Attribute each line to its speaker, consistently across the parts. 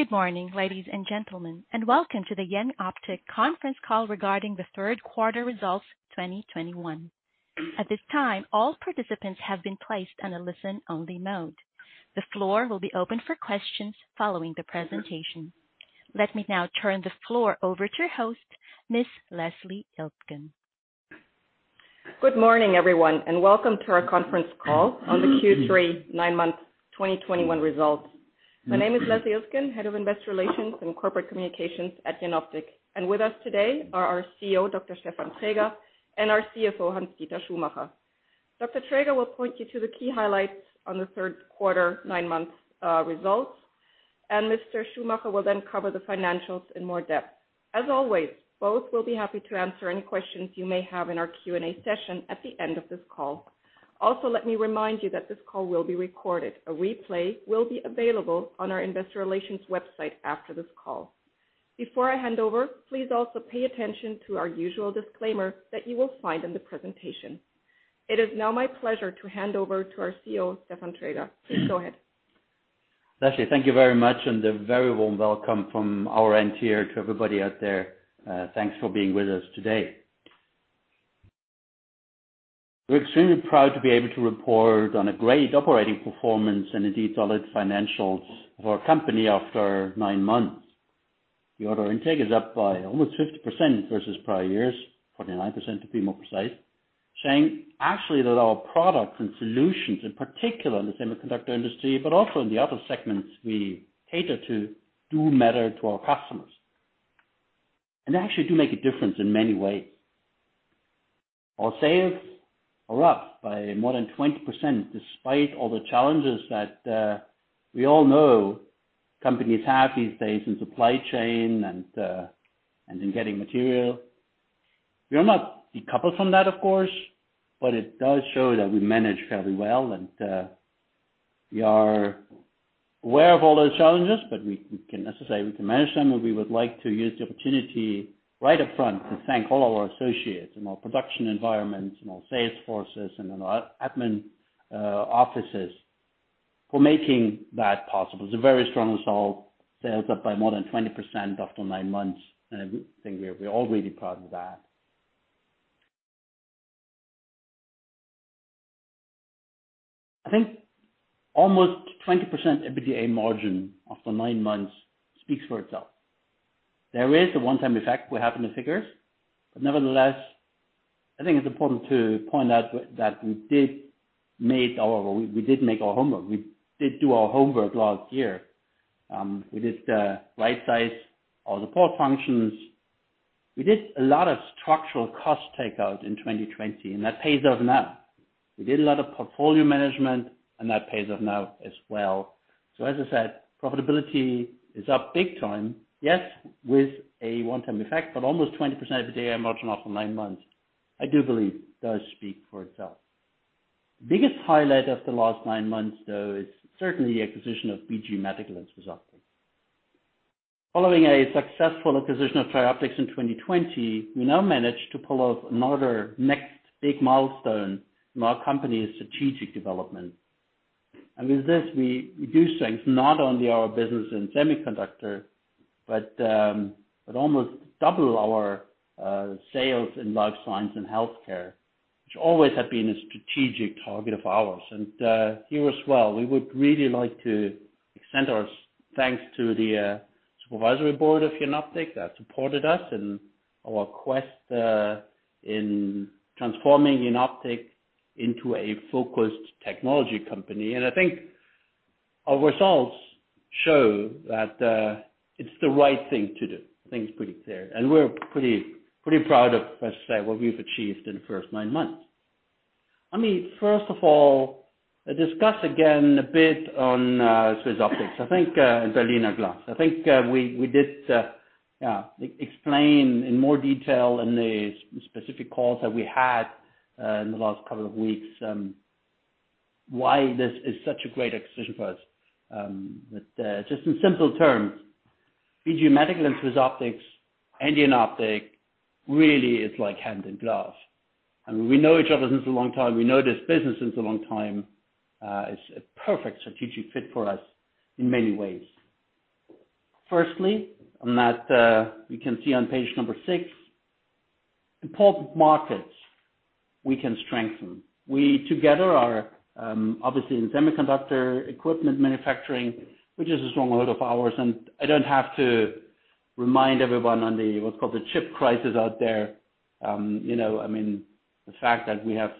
Speaker 1: Good morning, ladies and gentlemen, and welcome to the Jenoptik conference call regarding the third quarter results 2021. At this time, all participants have been placed on a listen-only mode. The floor will be open for questions following the presentation. Let me now turn the floor over to your host, Miss Leslie Iltgen.
Speaker 2: Good morning, everyone, and welcome to our conference call on the Q3 nine-month 2021 results. My name is Leslie Iltgen, Head of Investor Relations and Corporate Communications at Jenoptik. With us today are our CEO, Dr. Stefan Traeger, and our CFO, Hans-Dieter Schumacher. Dr. Traeger will point you to the key highlights on the third quarter nine months results, and Mr. Schumacher will then cover the financials in more depth. As always, both will be happy to answer any questions you may have in our Q&A session at the end of this call. Also, let me remind you that this call will be recorded. A replay will be available on our investor relations website after this call. Before I hand over, please also pay attention to our usual disclaimer that you will find in the presentation. It is now my pleasure to hand over to our CEO, Stefan Traeger. Please go ahead.
Speaker 3: Leslie, thank you very much, and a very warm welcome from our end here to everybody out there. Thanks for being with us today. We're extremely proud to be able to report on a great operating performance and indeed solid financials of our company after nine months. The order intake is up by almost 50% versus prior years, 49% to be more precise. Saying actually that our products and solutions, in particular in the semiconductor industry, but also in the other segments we cater to, do matter to our customers, and they actually do make a difference in many ways. Our sales are up by more than 20%, despite all the challenges that we all know companies have these days in supply chain and in getting material. We are not decoupled from that, of course, but it does show that we manage fairly well and we are aware of all those challenges, but we can manage them, and we would like to use the opportunity right up front to thank all our associates in our production environments, in our sales forces, and in our admin offices for making that possible. It's a very strong result. Sales up by more than 20% after nine months, and I think we're all really proud of that. I think almost 20% EBITDA margin after nine months speaks for itself. There is a one-time effect we have in the figures, but nevertheless, I think it's important to point out that we did make our homework. We did do our homework last year. We did right size all the core functions. We did a lot of structural cost takeout in 2020, and that pays off now. We did a lot of portfolio management, and that pays off now as well. As I said, profitability is up big time. Yes, with a one-time effect, but almost 20% of the EBITDA margin after nine months, I do believe does speak for itself. Biggest highlight of the last nine months, though, is certainly the acquisition of BG Medical and SwissOptic. Following a successful acquisition of TRIOPTICS in 2020, we now managed to pull off another next big milestone in our company's strategic development. With this, we do things not only our business in semiconductor, but almost double our sales in life science and healthcare, which always have been a strategic target of ours. Here as well, we would really like to extend our thanks to the supervisory board of Jenoptik that supported us in our quest in transforming Jenoptik into a focused technology company. I think our results show that it's the right thing to do. I think it's pretty clear. We're pretty proud of, I say, what we've achieved in the first nine months. Let me first of all discuss again a bit on SwissOptic. I think and Berliner Glas. I think we did explain in more detail in the specific calls that we had in the last couple of weeks, but just in simple terms, BG Medical and SwissOptic and Jenoptik really is like hand in glove. We know each other since a long time. We know this business since a long time. It's a perfect strategic fit for us in many ways. First, on that, you can see on page five important markets we can strengthen. We together are obviously in semiconductor equipment manufacturing, which is a stronghold of ours, and I don't have to remind everyone on the what's called the chip crisis out there. You know, I mean, the fact that we have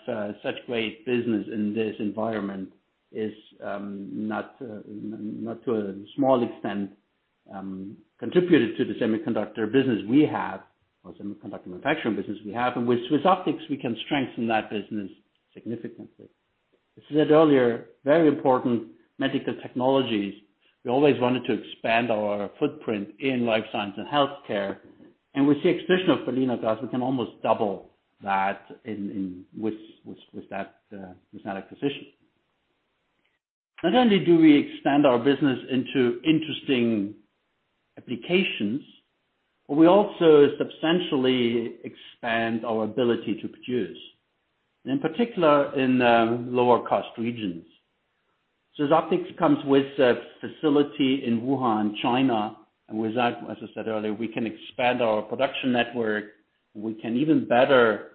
Speaker 3: such great business in this environment is not to a small extent contributed to the semiconductor business we have or semiconductor manufacturing business we have. With SwissOptic, we can strengthen that business significantly. As I said earlier, very important medical technologies. We always wanted to expand our footprint in life science and healthcare. With the acquisition of Berliner Glas, we can almost double that. With that acquisition. Not only do we expand our business into interesting applications. We also substantially expand our ability to produce, in particular in lower cost regions. SwissOptic comes with a facility in Wuhan, China, and with that, as I said earlier, we can expand our production network. We can even better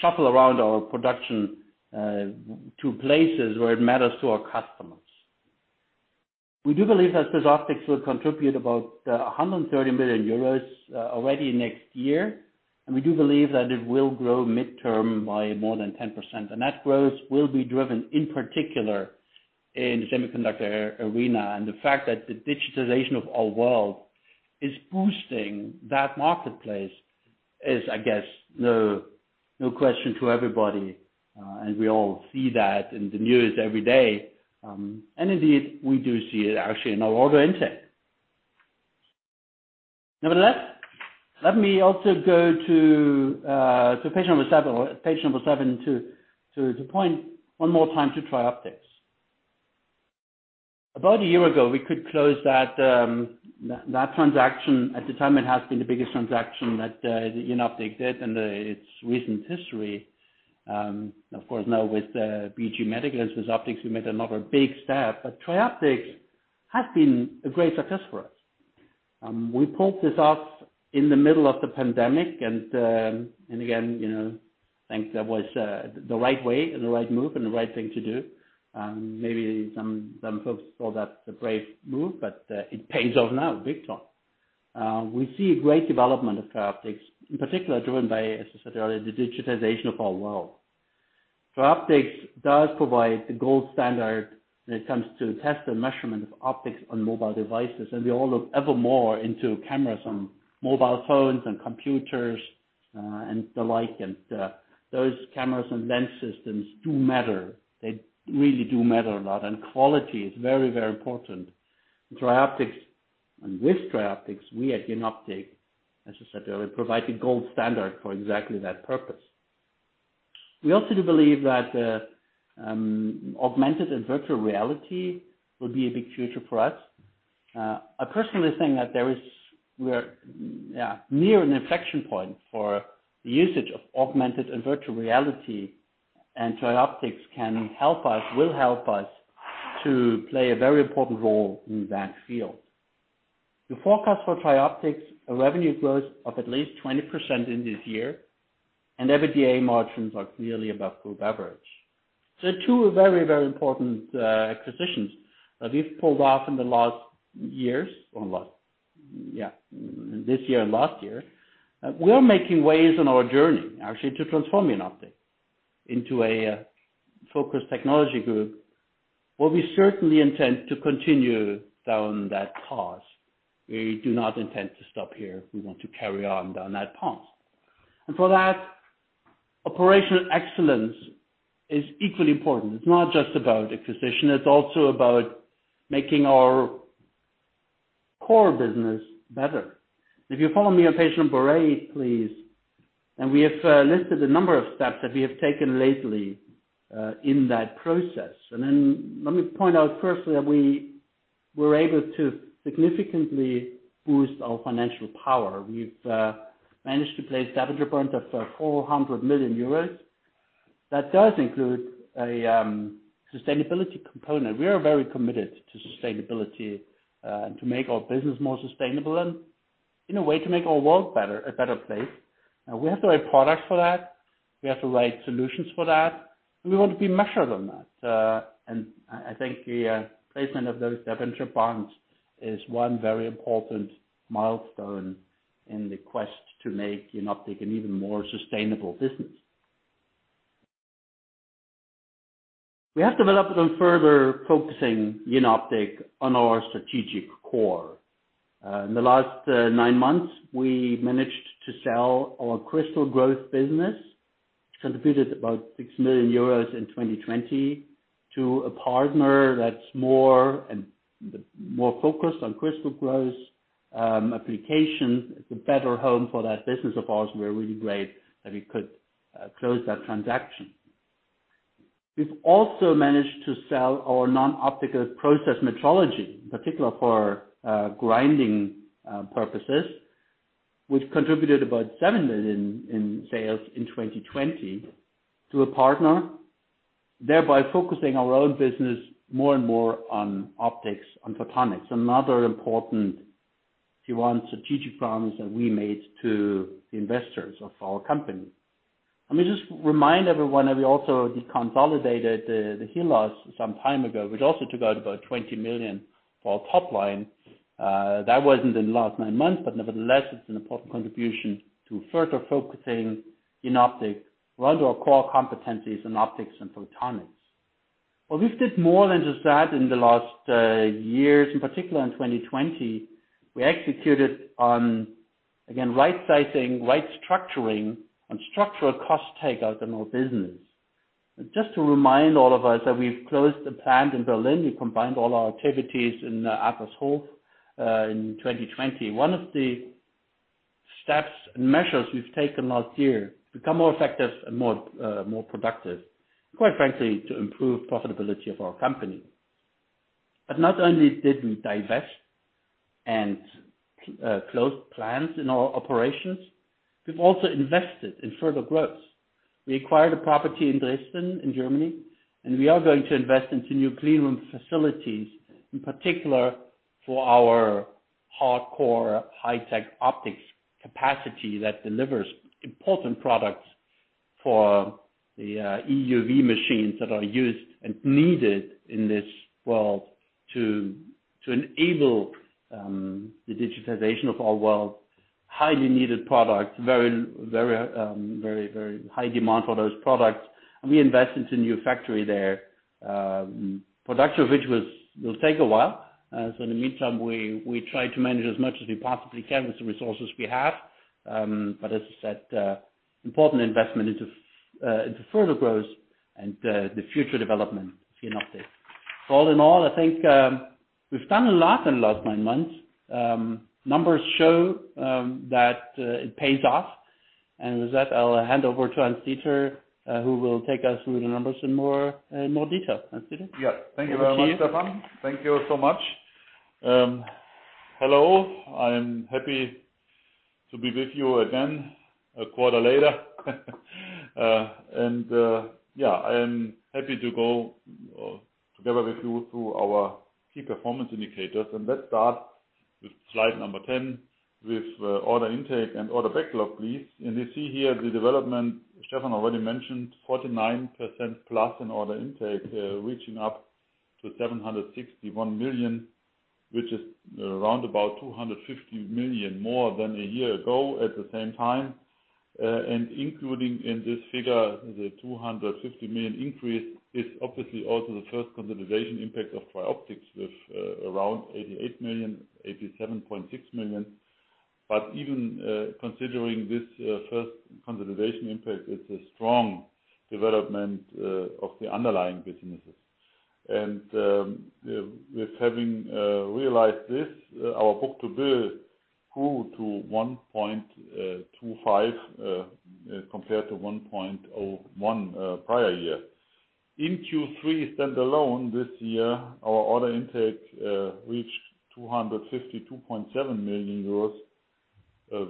Speaker 3: shuffle around our production to places where it matters to our customers. We do believe that SwissOptic will contribute about 130 million euros already next year, and we do believe that it will grow midterm by more than 10%. That growth will be driven, in particular, in the semiconductor arena. The fact that the digitization of our world is boosting that marketplace is, I guess, no question to everybody, and we all see that in the news every day. Indeed, we do see it actually in our order intake. Nevertheless, let me also go to page number seven to point one more time to TRIOPTICS. About a year ago, we could close that transaction. At the time it has been the biggest transaction that Jenoptik did in its recent history. Of course now with BG Medical and SwissOptic, we made another big step. TRIOPTICS has been a great success for us. We pulled this off in the middle of the pandemic, and again, you know, I think that was the right way and the right move and the right thing to do. Maybe some folks saw that as a brave move, but it pays off now big time. We see a great development of TRIOPTICS, in particular driven by, as I said earlier, the digitization of our world. TRIOPTICS does provide the gold standard when it comes to test and measurement of optics on mobile devices. We all look ever more into cameras on mobile phones and computers, and the like. Those cameras and lens systems do matter. They really do matter a lot. Quality is very, very important. TRIOPTICS, and with TRIOPTICS, we at Jenoptik, as I said earlier, provide the gold standard for exactly that purpose. We also do believe that augmented and virtual reality will be a big future for us. I personally think that we are near an inflection point for usage of augmented and virtual reality, and TRIOPTICS can help us, will help us to play a very important role in that field. The forecast for TRIOPTICS, a revenue growth of at least 20% in this year, and EBITDA margins are clearly above group average. Two very, very important acquisitions that we've pulled off in the last years, this year and last year. We are making headway on our journey actually to transform Jenoptik into a focused technology group, where we certainly intend to continue down that path. We do not intend to stop here. We want to carry on down that path. For that, operational excellence is equally important. It's not just about acquisition, it's also about making our core business better. If you follow me on page number eight, please. We have listed a number of steps that we have taken lately in that process. Let me point out firstly that we were able to significantly boost our financial power. We've managed to place debenture bonds of 400 million euros. That does include a sustainability component. We are very committed to sustainability and to make our business more sustainable and in a way to make our world better, a better place. We have the right product for that. We have the right solutions for that, and we want to be measured on that. I think the placement of those debenture bonds is one very important milestone in the quest to make Jenoptik an even more sustainable business. We have developed on further focusing Jenoptik on our strategic core. In the last nine months, we managed to sell our crystal growth business, contributed about 6 million euros in 2020, to a partner that's more and more focused on crystal growth applications. It's a better home for that business of ours. We are really glad that we could close that transaction. We've also managed to sell our non-optical process metrology, in particular for grinding purposes, which contributed about 7 million in sales in 2020 to a partner, thereby focusing our own business more and more on optics, on photonics. Another important, if you want, strategic promise that we made to the investors of our company. Let me just remind everyone that we also deconsolidated the Hillos some time ago, which also took out about 20 million for our top line. That wasn't in the last nine months, but nevertheless, it's an important contribution to further focusing Jenoptik around our core competencies in optics and photonics. We've did more than just that in the last years, in particular in 2020. We executed on, again, right sizing, right structuring and structural cost takeouts in our business. Just to remind all of us that we've closed the plant in Berlin. We combined all our activities in Adlershof in 2020. One of the steps and measures we've taken last year become more effective and more, more productive, quite frankly, to improve profitability of our company. Not only did we divest and close plants in our operations, we've also invested in further growth. We acquired a property in Dresden in Germany, and we are going to invest into new clean room facilities, in particular for our hardcore high-tech optics capacity that delivers important products for the EUV machines that are used and needed in this world to enable the digitization of our world. Highly needed products, very high demand for those products. We invest into new factory there, production of which will take a while. So in the meantime, we try to manage as much as we possibly can with the resources we have. As I said, important investment into further growth and the future development of Jenoptik. All in all, I think we've done a lot in the last nine months. Numbers show that it pays off. With that, I'll hand over to Hans-Dieter, who will take us through the numbers in more detail. Hans-Dieter.
Speaker 4: Yeah. Thank you very much, Stefan.
Speaker 3: Over to you.
Speaker 4: Thank you so much. Hello, I'm happy to be with you again a quarter later. I am happy to go together with you through our key performance indicators. Let's start with slide number 10 with order intake and order backlog, please. You see here the development Stefan already mentioned, 49%+ in order intake, reaching up to 761 million, which is around about 250 million more than a year ago at the same time. Including in this figure, the 250 million increase is obviously also the first consolidation impact of TRIOPTICS with around 88 million, 87.6 million. But even considering this first consolidation impact, it's a strong development of the underlying businesses. With having realized this, our book-to-bill grew to 1.25 compared to 1.01 prior year. In Q3 stand-alone this year, our order intake reached 252.7 million euros,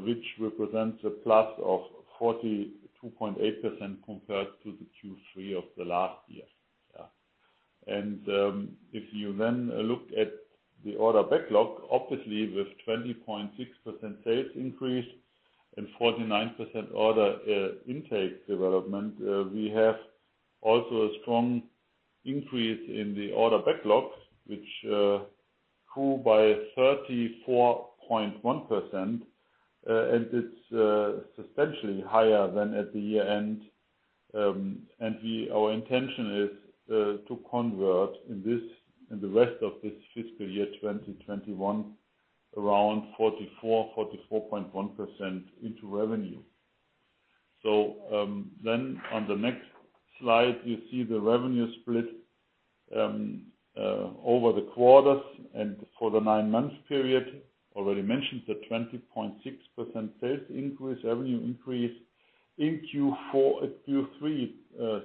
Speaker 4: which represents a plus of 42.8% compared to the Q3 of the last year. If you then look at the order backlog, obviously with 20.6% sales increase and 49% order intake development, we have also a strong increase in the order backlogs, which grew by 34.1%. It's substantially higher than at the year-end. Our intention is to convert in the rest of this fiscal year 2021, around 44.1% into revenue. Then on the next slide, you see the revenue split over the quarters and for the nine-month period. Already mentioned the 20.6% sales increase, revenue increase. In Q3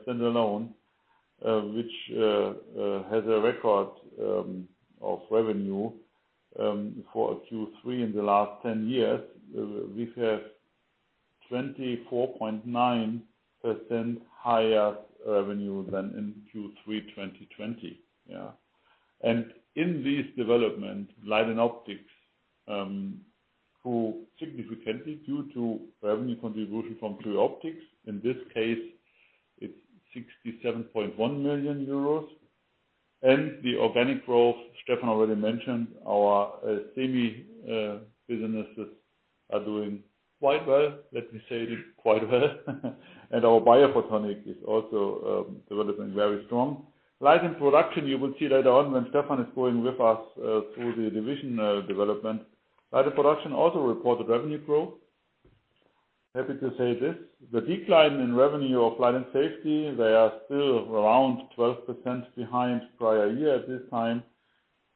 Speaker 4: stand-alone, which has a record of revenue for a Q3 in the last 10 years, we have 24.9% higher revenue than in Q3 2020. Yeah. In this development, Light & Optics grew significantly due to revenue contribution from TRIOPTICS. In this case, it's 67.1 million euros. The organic growth, Stefan already mentioned, our SEMI businesses are doing quite well. Let me say this quite well. Our biophotonics is also developing very strong. Light & Production, you will see later on when Stefan is going with us through the division development. Light & Production also reported revenue growth. Happy to say this. The decline in revenue of Light & Safety, they are still around 12% behind prior year at this time,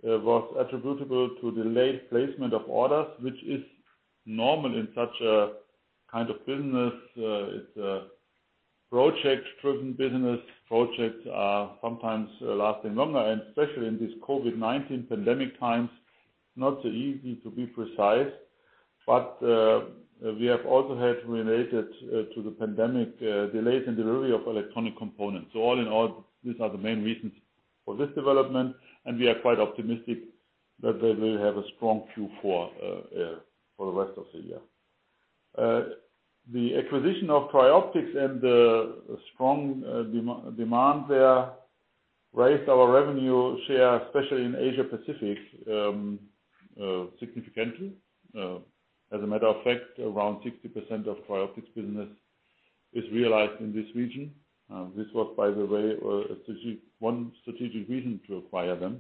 Speaker 4: was attributable to delayed placement of orders, which is normal in such a kind of business. It's a project-driven business. Projects are sometimes lasting longer, and especially in this COVID-19 pandemic times, not so easy to be precise. We have also had related to the pandemic delays in delivery of electronic components. All in all, these are the main reasons for this development, and we are quite optimistic that they will have a strong Q4 for the rest of the year. The acquisition of TRIOPTICS and the strong demand there raised our revenue share, especially in Asia Pacific, significantly. As a matter of fact, around 60% of TRIOPTICS business is realized in this region. This was, by the way, one strategic reason to acquire them,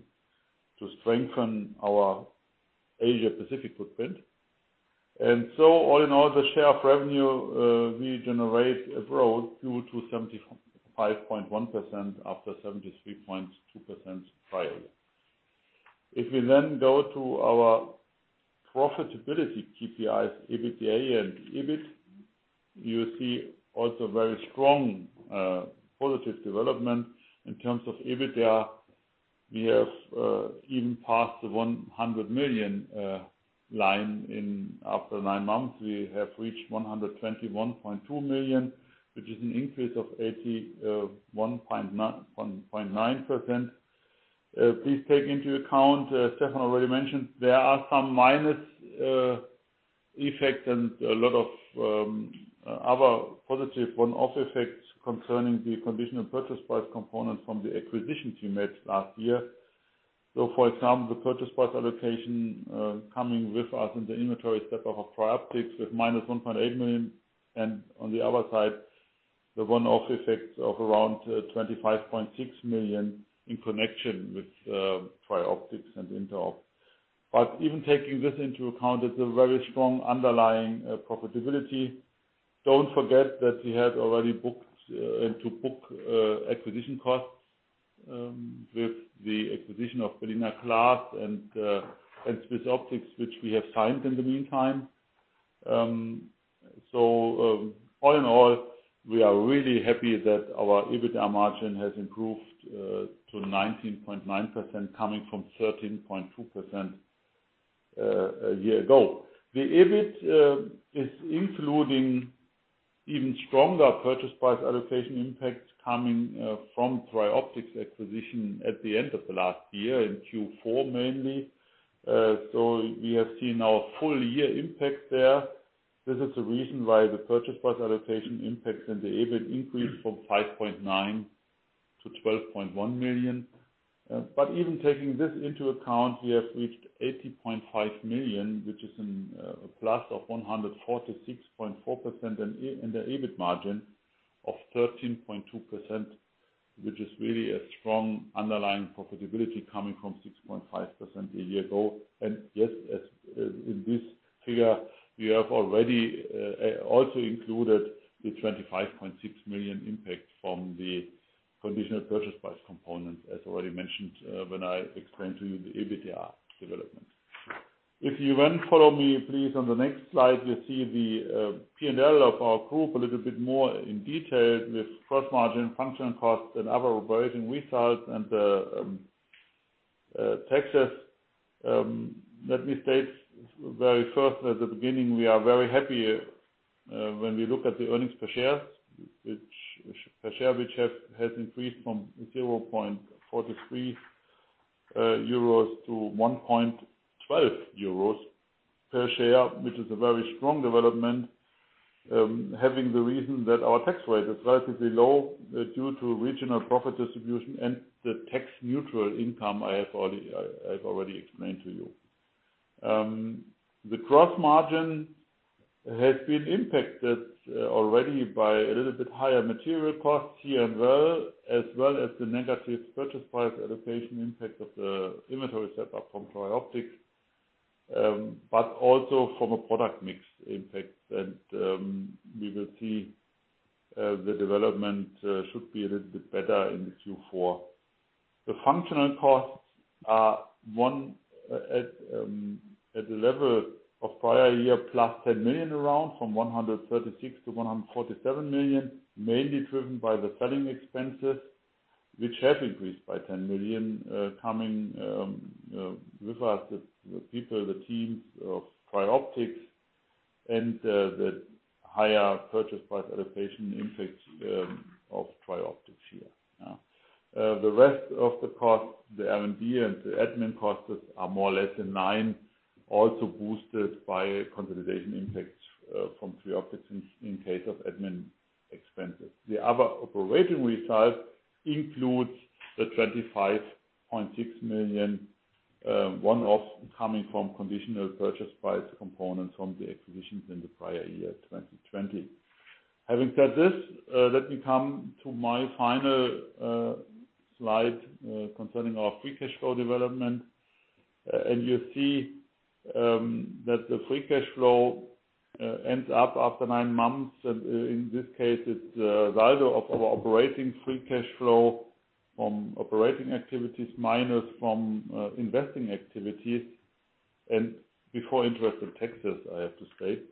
Speaker 4: to strengthen our Asia Pacific footprint. All in all, the share of revenue we generate abroad grew to 75.1% after 73.2% prior year. If we then go to our profitability KPIs, EBITDA and EBIT, you see also very strong positive development. In terms of EBITDA, we have even passed the 100 million line. After nine months, we have reached 121.2 million, which is an increase of 81.9%. Please take into account, as Stefan already mentioned, there are some minus effects and a lot of other positive one-off effects concerning the conditional purchase price components from the acquisitions we made last year. For example, the purchase price allocation coming with us in the inventory step of TRIOPTICS with -1.8 million. On the other side, the one-off effects of around 25.6 million in connection with TRIOPTICS and INTEROB. Even taking this into account, it's a very strong underlying profitability. Don't forget that we had already booked and to book acquisition costs with the acquisition of Berliner Glas and SwissOptic, which we have signed in the meantime. All in all, we are really happy that our EBITDA margin has improved to 19.9% coming from 13.2% a year ago. The EBIT is including even stronger purchase price allocation impacts coming from TRIOPTICS acquisition at the end of the last year in Q4 mainly. We have seen our full year impact there. This is the reason why the purchase price allocation impacts and the EBIT increase from 5.9 million-12.1 million. Even taking this into account, we have reached 80.5 million, which is a plus of 146.4% and the EBIT margin of 13.2%, which is really a strong underlying profitability coming from 6.5% a year ago. Yes, as in this figure, we have already also included the 25.6 million impact from the conditional purchase price component, as already mentioned, when I explained to you the EBITDA development. If you then follow me, please, on the next slide, you see the P&L of our group a little bit more in detail with gross margin, functional costs and other operating results and taxes. Let me state very first at the beginning, we are very happy when we look at the earnings per share, which has increased from 0.43-1.12 euros per share, which is a very strong development. Having the reason that our tax rate is relatively low due to regional profit distribution and the tax-neutral income I've already explained to you. The gross margin has been impacted already by a little bit higher material costs here as well as the negative purchase price allocation impact of the inventory set up from TRIOPTICS, but also from a product mix impact. We will see the development should be a little bit better in the Q4. The functional costs are at the level of prior year +10 million around, from 136 million-147 million, mainly driven by the selling expenses, which have increased by 10 million, coming with us, the people, the teams of TRIOPTICS and the higher purchase price allocation impacts of TRIOPTICS here. The rest of the costs, the R&D and the admin costs are more or less in line, also boosted by consolidation impacts from TRIOPTICS in case of admin expenses. The other operating results includes the 25.6 million one-offs coming from conditional purchase price components from the acquisitions in the prior year, 2020. Having said this, let me come to my final slide concerning our free cash flow development. You see that the free cash flow ends up after nine months. In this case, it's value of our operating free cash flow from operating activities minus from investing activities and before interest and taxes, I have to state.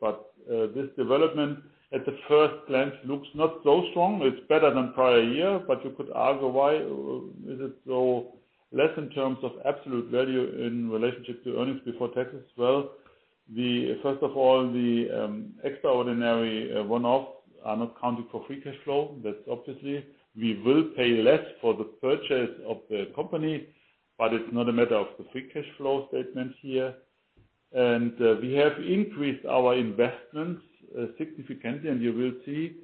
Speaker 4: This development at the first glance looks not so strong. It's better than prior year, but you could argue why is it so less in terms of absolute value in relationship to earnings before taxes? Well, first of all, the extraordinary one-offs are not counted for free cash flow. That's obviously. We will pay less for the purchase of the company, but it's not a matter of the free cash flow statement here. We have increased our investments significantly, and you will see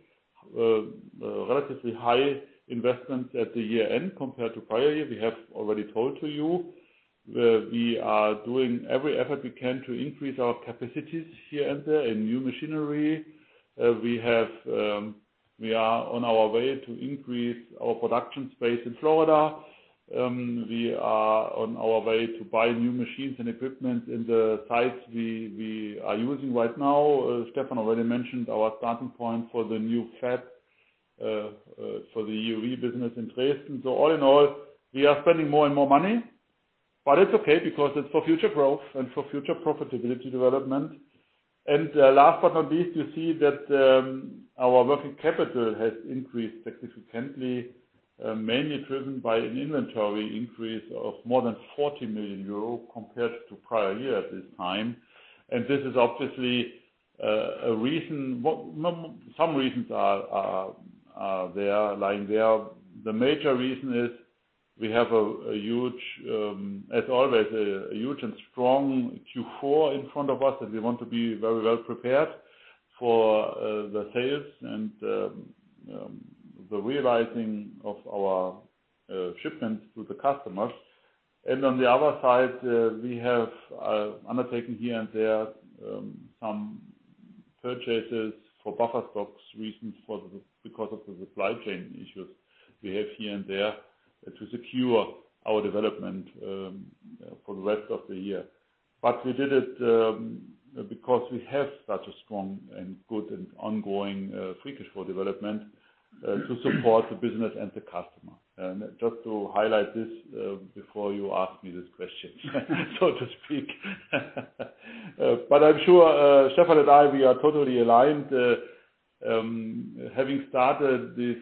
Speaker 4: relatively high investments at the year-end compared to prior year. We have already told to you, we are doing every effort we can to increase our capacities here and there in new machinery. We have, we are on our way to increase our production space in Florida. We are on our way to buy new machines and equipment in the sites we are using right now. Stefan already mentioned our starting point for the new fab for the EUV business in Dresden. All in all, we are spending more and more money, but it's okay because it's for future growth and for future profitability development. Last but not least, you see that, our working capital has increased significantly, mainly driven by an inventory increase of more than 40 million euro compared to prior year at this time. This is obviously a reason. Some reasons are there, lying there. The major reason is we have a huge, as always, a huge and strong Q4 in front of us, and we want to be very well prepared for the sales and the realizing of our shipments to the customers. On the other side, we have undertaken here and there some purchases for buffer stock reasons because of the supply chain issues we have here and there to secure our development for the rest of the year. We did it because we have such a strong and good and ongoing free cash flow development to support the business and the customer. Just to highlight this before you ask me this question, so to speak. I'm sure Stefan and I, we are totally aligned. Having started this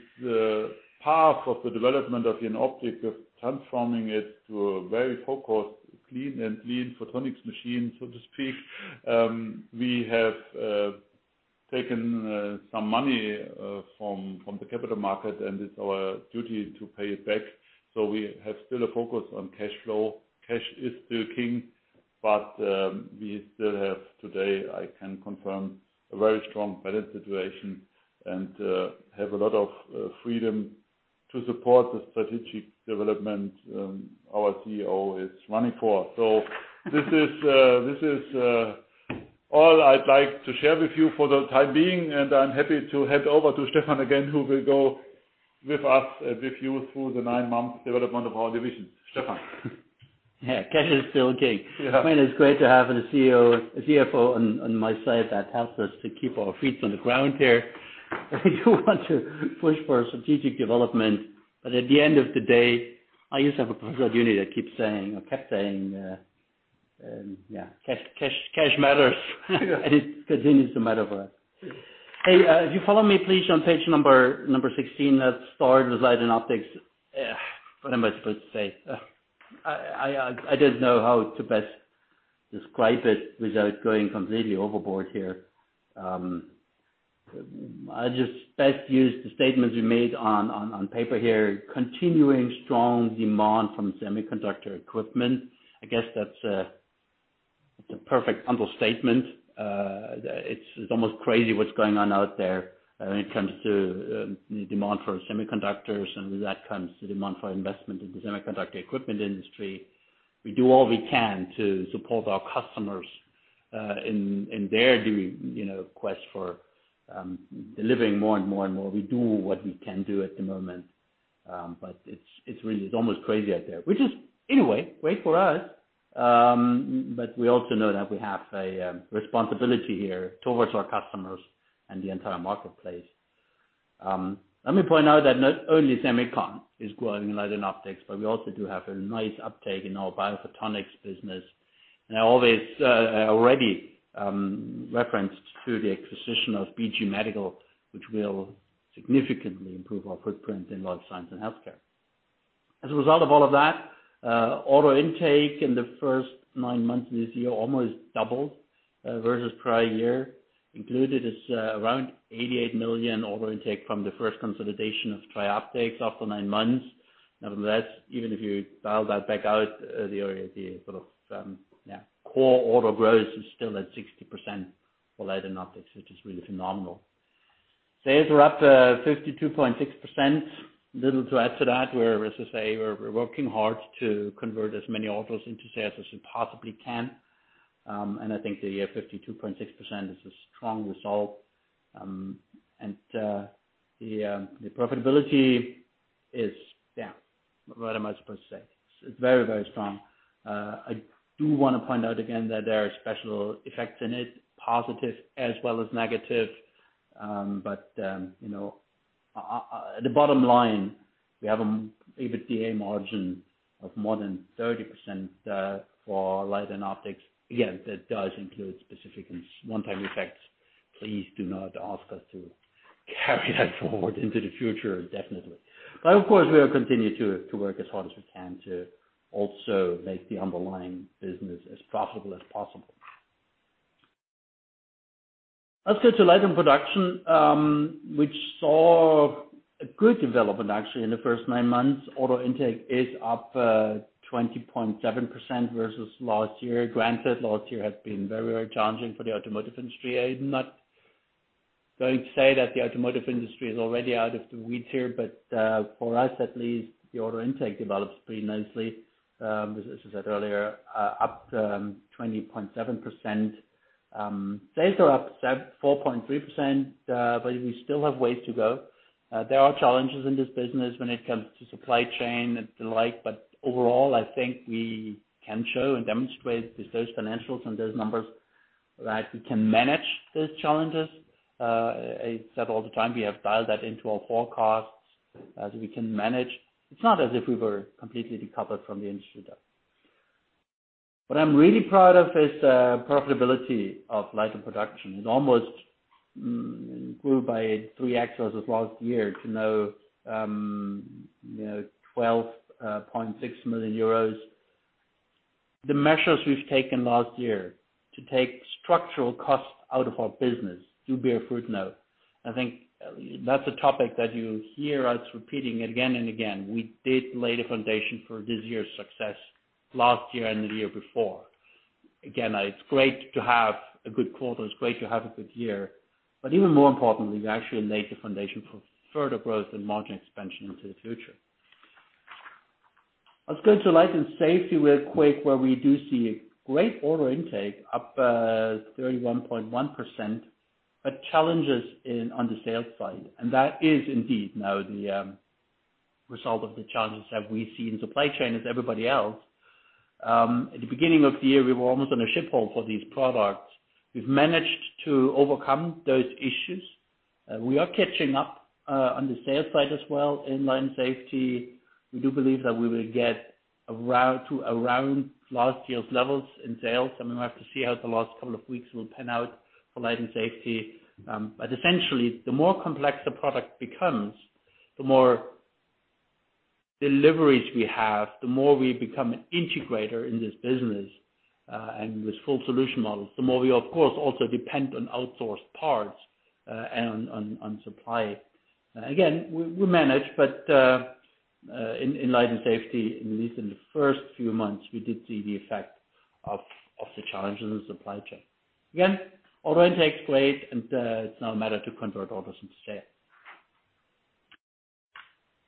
Speaker 4: path of the development of Jenoptik, of transforming it to a very focused, clean and lean photonics machine, so to speak, we have taken some money from the capital market, and it's our duty to pay it back. We have still a focus on cash flow. Cash is still king, but we still have today, I can confirm, a very strong balance situation and have a lot of freedom to support the strategic development our CEO is running for. This is all I'd like to share with you for the time being, and I'm happy to hand over to Stefan again, who will go with us, with you through the nine-month development of our divisions. Stefan.
Speaker 3: Yeah. Cash is still king.
Speaker 4: Yeah.
Speaker 3: I mean, it's great to have a CEO, a CFO on my side that helps us to keep our feet on the ground here. We do want to push for strategic development, but at the end of the day, I used to have a professor at uni that keeps saying or kept saying, cash matters. It continues to matter for us. Hey, if you follow me please on page 16, that's start with Light & Optics. What am I supposed to say? I don't know how to best describe it without going completely overboard here. I just best use the statements we made on paper here, continuing strong demand from semiconductor equipment. I guess that's, it's a perfect understatement. It's almost crazy what's going on out there when it comes to demand for semiconductors and with that comes the demand for investment in the semiconductor equipment industry. We do all we can to support our customers in their due, you know, quest for delivering more and more and more. We do what we can do at the moment, but it's really almost crazy out there, which is anyway great for us. But we also know that we have a responsibility here towards our customers and the entire marketplace. Let me point out that not only semicon is growing in Light & Optics, but we also do have a nice uptake in our biophotonics business. I always already referenced the acquisition of BG Medical, which will significantly improve our footprint in life science and healthcare. As a result of all of that, order intake in the first nine months of this year almost doubled versus prior year. Included is around 88 million order intake from the first consolidation of TRIOPTICS after nine months. Nevertheless, even if you dial that back out, the core order growth is still at 60% for Light & Optics, which is really phenomenal. Sales were up 52.6%. Little to add to that. We're, as I say, working hard to convert as many orders into sales as we possibly can. I think the 52.6% is a strong result. The profitability is, yeah, what am I supposed to say? It's very, very strong. I do wanna point out again that there are special effects in it, positive as well as negative. You know, the bottom line, we have an EBITDA margin of more than 30% for Light & Optics. Again, that does include specific and one-time effects. Please do not ask us to carry that forward into the future, definitely. Of course, we'll continue to work as hard as we can to also make the underlying business as profitable as possible. Let's go to Light & Production, which saw a good development actually in the first nine months. Order intake is up 20.7% versus last year. Granted, last year has been very, very challenging for the automotive industry. I'm not going to say that the automotive industry is already out of the weeds here, but for us at least, the order intake develops pretty nicely. As I said earlier, up 20.7%. Sales are up 4.3%, but we still have ways to go. There are challenges in this business when it comes to supply chain and the like, but overall, I think we can show and demonstrate with those financials and those numbers, right, we can manage those challenges. I said all the time, we have dialed that into our forecast as we can manage. It's not as if we were completely decoupled from the industry though. What I'm really proud of is profitability of Light & Production. It almost grew by 3x as last year to now 12.6 million euros. The measures we've taken last year to take structural costs out of our business do bear fruit now. I think that's a topic that you hear us repeating again and again. We did lay the foundation for this year's success last year and the year before. Again, it's great to have a good quarter. It's great to have a good year, but even more importantly, we actually laid the foundation for further growth and margin expansion into the future. Let's go into Light & Safety real quick, where we do see great order intake up 31.1%, but challenges on the sales side. That is indeed now the result of the challenges that we see in supply chain as everybody else. At the beginning of the year, we were almost on a shortfall for these products. We've managed to overcome those issues. We are catching up on the sales side as well. In Light & Safety, we do believe that we will get back to around last year's levels in sales. I mean, we'll have to see how the last couple of weeks will pan out for Light & Safety. Essentially, the more complex the product becomes, the more deliveries we have, the more we become an integrator in this business, and with full solution models, the more we of course also depend on outsourced parts, and on supply. Again, we manage, but in Light & Safety, at least in the first few months, we did see the effect of the challenges in supply chain. Again, order intake is great, and it's now a matter to convert orders into sales.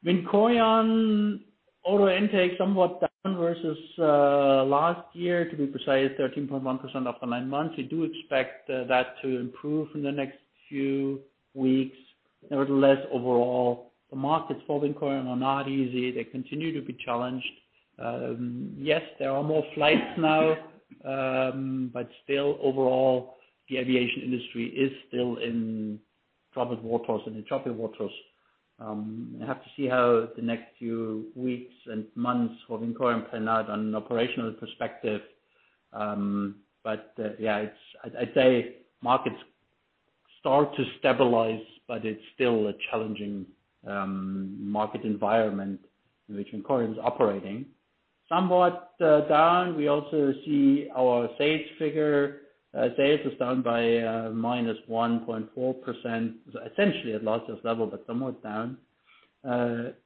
Speaker 3: VINCORION order intake somewhat down versus last year, to be precise, 13.1% of the nine months. We do expect that to improve in the next few weeks. Nevertheless, overall, the markets for VINCORION are not easy. They continue to be challenged. Yes, there are more flights now, but still overall, the aviation industry is still in troubled waters, in the choppy waters. I have to see how the next few weeks and months for VINCORION pan out on an operational perspective. Yeah, I'd say markets start to stabilize, but it's still a challenging market environment in which VINCORION is operating. Somewhat down, we also see our sales figure. Sales is down by -1.4%. Essentially at last year's level, but somewhat down.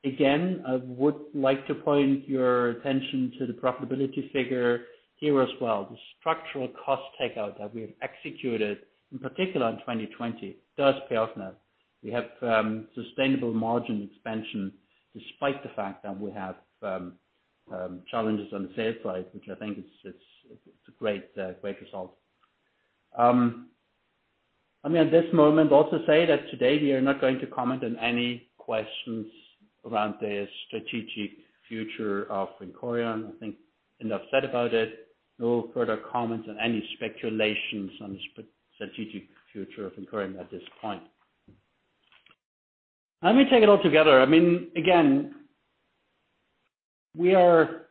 Speaker 3: Again, I would like to point your attention to the profitability figure here as well. The structural cost takeout that we have executed, in particular in 2020, does pay off now. We have sustainable margin expansion despite the fact that we have challenges on the sales side, which I think is a great result. Let me at this moment also say that today we are not going to comment on any questions around the strategic future of VINCORION. I think enough said about it. No further comments on any speculations on the strategic future of VINCORION at this point. Let me take it all together. I mean, again, we are.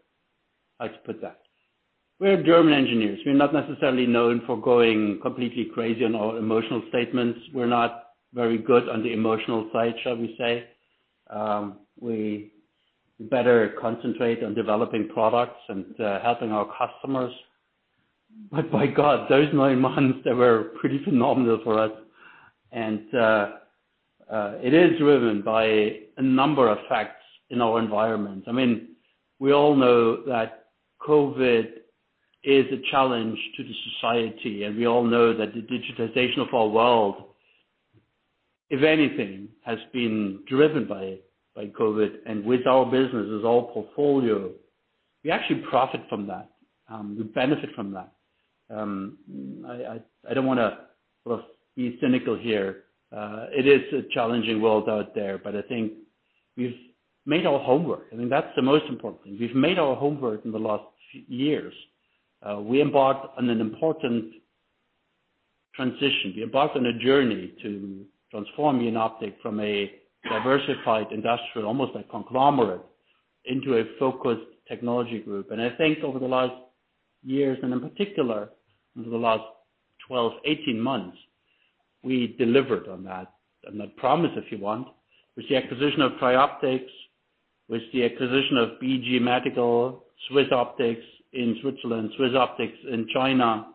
Speaker 3: How to put that? We are German engineers. We're not necessarily known for going completely crazy on our emotional statements. We're not very good on the emotional side, shall we say. We better concentrate on developing products and helping our customers. By God, those nine months, they were pretty phenomenal for us. It is driven by a number of facts in our environment. I mean, we all know that COVID is a challenge to the society, and we all know that the digitization of our world, if anything, has been driven by COVID. With our businesses, our portfolio, we actually profit from that. We benefit from that. I don't wanna sort of be cynical here. It is a challenging world out there, but I think we've made our homework. I think that's the most important thing. We've made our homework in the last years. We embarked on an important transition. We embarked on a journey to transform Jenoptik from a diversified industrial, almost a conglomerate, into a focused technology group. I think over the last years, and in particular, over the last 12, 18 months, we delivered on that promise, if you want. With the acquisition of TRIOPTICS, with the acquisition of BG Medical, SwissOptic in Switzerland, SwissOptic in China,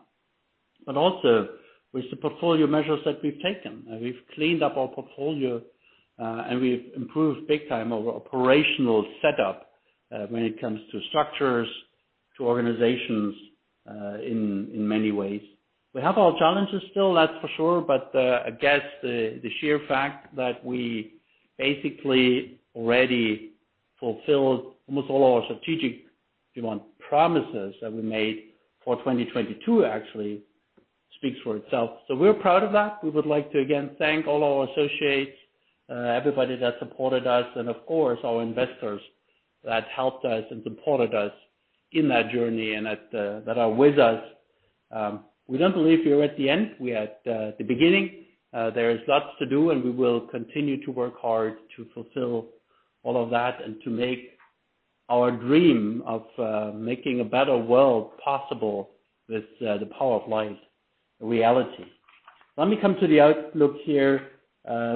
Speaker 3: but also with the portfolio measures that we've taken. We've cleaned up our portfolio, and we've improved big time our operational setup, when it comes to structures, to organizations, in many ways. We have our challenges still, that's for sure. I guess the sheer fact that we basically already fulfilled almost all our strategic, if you want, promises that we made for 2022 actually speaks for itself. We're proud of that. We would like to again thank all our associates, everybody that supported us, and of course, our investors that helped us and supported us in that journey and that are with us. We don't believe we are at the end, we are at the beginning. There is lots to do, and we will continue to work hard to fulfill all of that and to make our dream of making a better world possible with the power of light a reality. Let me come to the outlook here.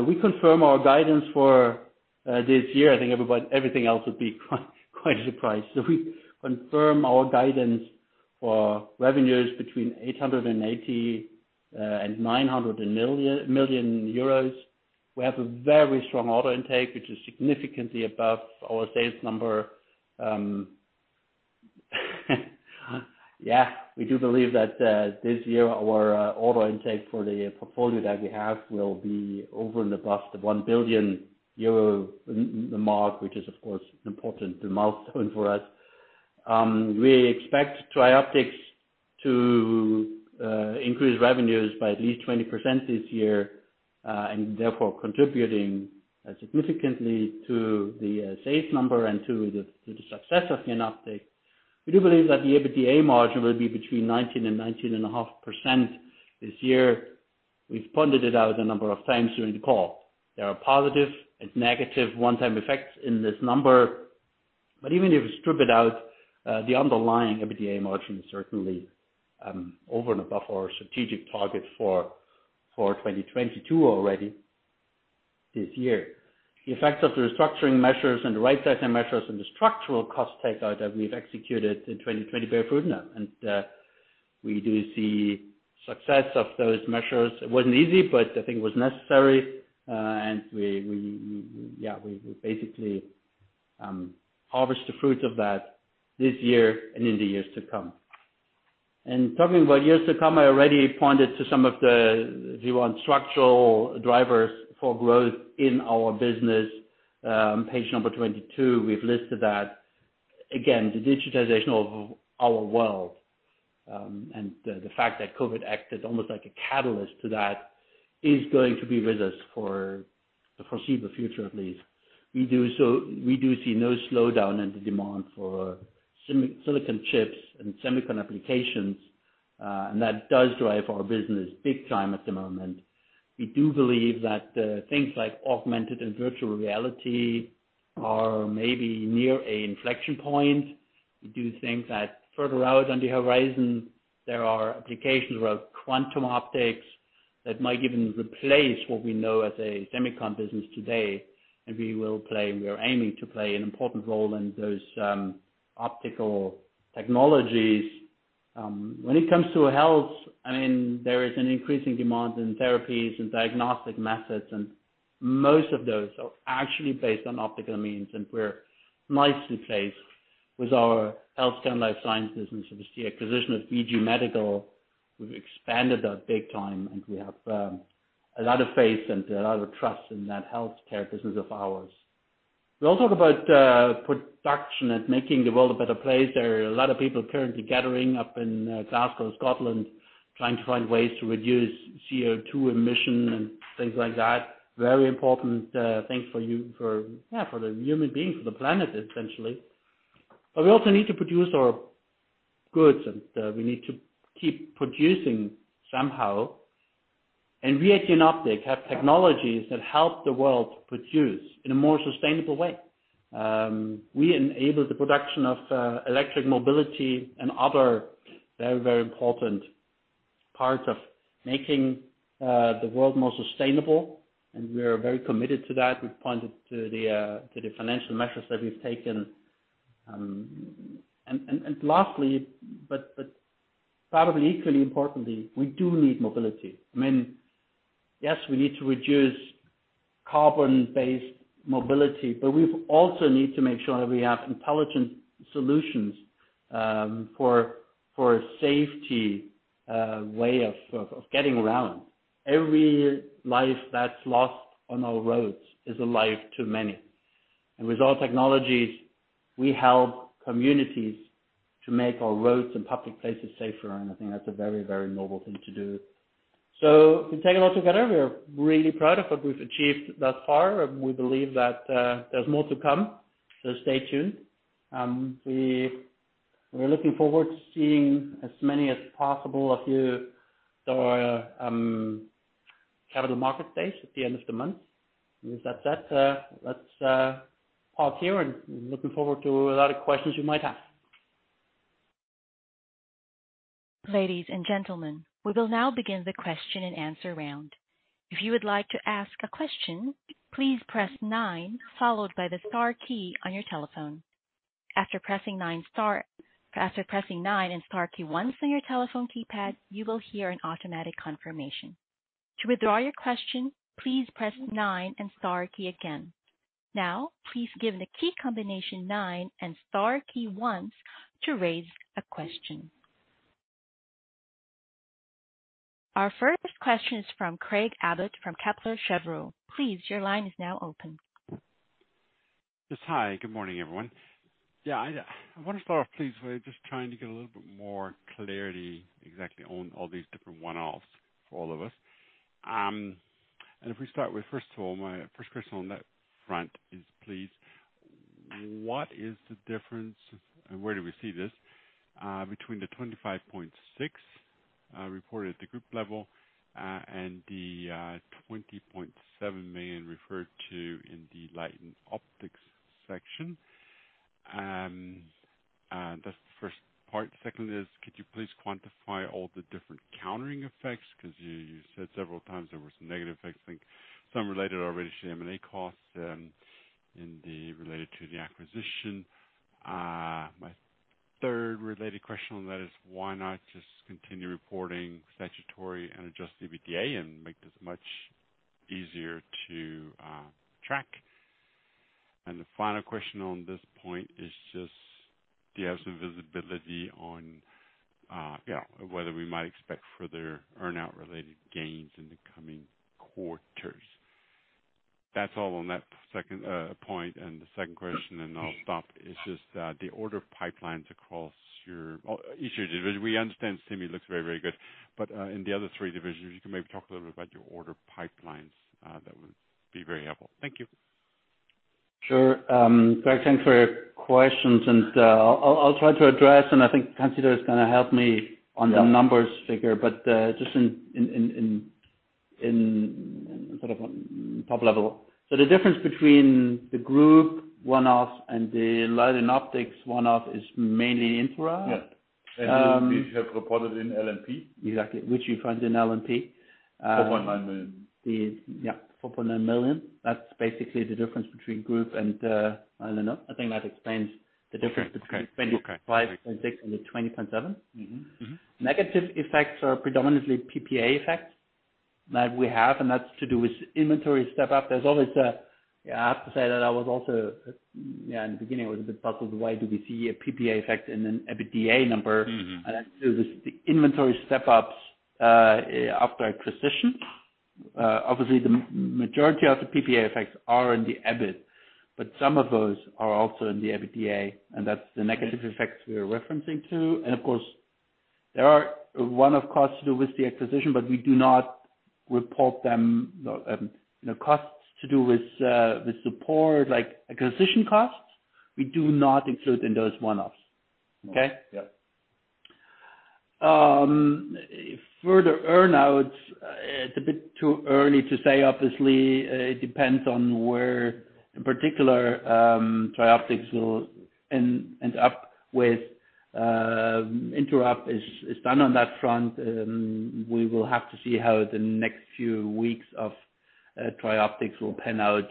Speaker 3: We confirm our guidance for this year. I think everything else would be quite surprised. We confirm our guidance for revenues between 880 million and 900 million euros. We have a very strong order intake, which is significantly above our sales number. Yeah, we do believe that this year, our order intake for the portfolio that we have will be over and above the 1 billion euro mark, which is of course important, the milestone for us. We expect TRIOPTICS to increase revenues by at least 20% this year, and therefore contributing significantly to the sales number and to the success of Jenoptik. We do believe that the EBITDA margin will be between 19% and 19.5% this year. We've pointed it out a number of times during the call. There are positive and negative one-time effects in this number. Even if you strip it out, the underlying EBITDA margin is certainly over and above our strategic target for 2022 already this year. The effect of the restructuring measures and the right-sizing measures and the structural cost takeout that we've executed in 2020 bear fruit now. We do see success of those measures. It wasn't easy, but I think it was necessary. We basically harvest the fruits of that this year and in the years to come. Talking about years to come, I already pointed to some of the, if you want, structural drivers for growth in our business. Page number 22, we've listed that. Again, the digitization of our world, and the fact that COVID acted almost like a catalyst to that is going to be with us for the foreseeable future, at least. We do see no slowdown in the demand for semiconductor chips and semicon applications, and that does drive our business big time at the moment. We do believe that things like augmented and virtual reality are maybe near an inflection point. We do think that further out on the horizon, there are applications around quantum optics that might even replace what we know as a semicon business today. We are aiming to play an important role in those optical technologies. When it comes to health, I mean, there is an increasing demand in therapies and diagnostic methods, and most of those are actually based on optical means, and we're nicely placed with our healthcare and life sciences. With the acquisition of BG Medical, we've expanded that big time, and we have a lot of faith and a lot of trust in that healthcare business of ours. We all talk about production and making the world a better place. There are a lot of people currently gathering up in Glasgow, Scotland, trying to find ways to reduce CO2 emission and things like that. Very important thing for you, for the human being, for the planet, essentially. We also need to produce our goods, and we need to keep producing somehow. We at Jenoptik have technologies that help the world produce in a more sustainable way. We enable the production of electric mobility and other very, very important parts of making the world more sustainable, and we are very committed to that. We've pointed to the financial measures that we've taken. Lastly, but probably equally importantly, we do need mobility. I mean, yes, we need to reduce carbon-based mobility, but we also need to make sure that we have intelligent solutions for safety way of getting around. Every life that's lost on our roads is a life too many. With our technologies, we help communities to make our roads and public places safer. I think that's a very, very noble thing to do. To take it all together, we are really proud of what we've achieved thus far. We believe that there's more to come. Stay tuned. We're looking forward to seeing as many as possible of you at our Capital Markets Day at the end of the month. With that said, let's pause here and looking forward to a lot of questions you might have.
Speaker 1: Ladies and gentlemen, we will now begin the question-and-answer round. If you would like to ask a question, please press nine followed by the star key on your telephone. After pressing nine and star key once on your telephone keypad, you will hear an automatic confirmation. To withdraw your question, please press nine and star key again. Now, please give the key combination nine and star key once to raise a question. Our first question is from Craig Abbott from Kepler Cheuvreux. Please, your line is now open.
Speaker 5: Yes. Hi. Good morning, everyone. Yeah, I wanna start off, please, by just trying to get a little bit more clarity exactly on all these different one-offs for all of us. If we start with first of all, my first question on that front is please, what is the difference, and where do we see this, between the 25.6 million reported at the group level, and the 20.7 million referred to in the Light & Optics section? That's the first part. Second is could you please quantify all the different countering effects? 'Cause you said several times there were some negative effects, I think some related already to the M&A costs, in related to the acquisition. My third related question on that is why not just continue reporting statutory and adjust EBITDA and make this much easier to track? The final question on this point is just do you have some visibility on whether we might expect further earn-out related gains in the coming quarters? That's all on that second point. The second question, and I'll stop, is just the order pipelines across each of your divisions. We understand SEMI looks very, very good. In the other three divisions, you can maybe talk a little bit about your order pipelines? That would be very helpful. Thank you.
Speaker 3: Sure. Craig, thanks for your questions and I'll try to address, and I think Hans-Dieter is gonna help me.
Speaker 4: Yeah.
Speaker 3: on the numbers figure, but just in sort of top level. The difference between the group one-offs and the Light & Optics one-off is mainly INTEROB.
Speaker 4: Yeah.
Speaker 3: Um-
Speaker 4: which we have reported in L&P.
Speaker 3: Exactly. Which you find in L&P.
Speaker 4: 4.9 million.
Speaker 3: Yeah, 4.9 million. That's basically the difference between group and, I don't know. I think that explains the difference.
Speaker 4: Okay. Okay.
Speaker 3: -between 25.6 And the 20.7.
Speaker 4: Mm-hmm. Mm-hmm.
Speaker 3: Negative effects are predominantly PPA effects that we have, and that's to do with inventory step up. Yeah, I have to say that I was also, yeah, in the beginning, I was a bit puzzled why do we see a PPA effect in an EBITDA number?
Speaker 4: Mm-hmm.
Speaker 3: That's to do with the inventory step-ups after acquisition. Obviously the majority of the PPA effects are in the EBIT, but some of those are also in the EBITDA, and that's the negative effects we are referring to. Of course, there are one-off costs to do with the acquisition, but we do not report them. The costs to do with the support, like acquisition costs, we do not include in those one-offs. Okay?
Speaker 4: Yeah.
Speaker 3: Further earn-outs, it's a bit too early to say, obviously. It depends on where in particular TRIOPTICS will end up with. INTEROB is done on that front. We will have to see how the next few weeks of TRIOPTICS will pan out.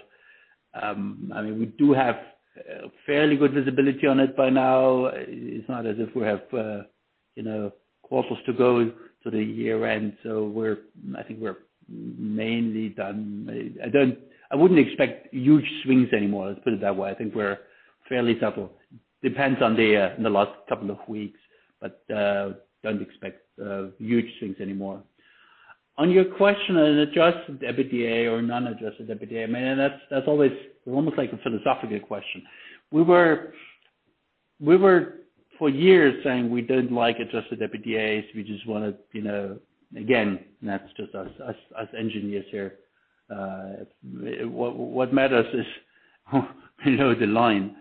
Speaker 3: I mean, we do have fairly good visibility on it by now. It's not as if we have you know quarters to go to the year end. I think we're mainly done. I wouldn't expect huge swings anymore, let's put it that way. I think we're fairly settled. Depends on the last couple of weeks, but don't expect huge swings anymore. On your question on adjusted EBITDA or non-adjusted EBITDA, I mean, that's always almost like a philosophical question. We were for years saying we didn't like adjusted EBITDAs. We just wanna, you know. Again, that's just us engineers here. What matters is below the line.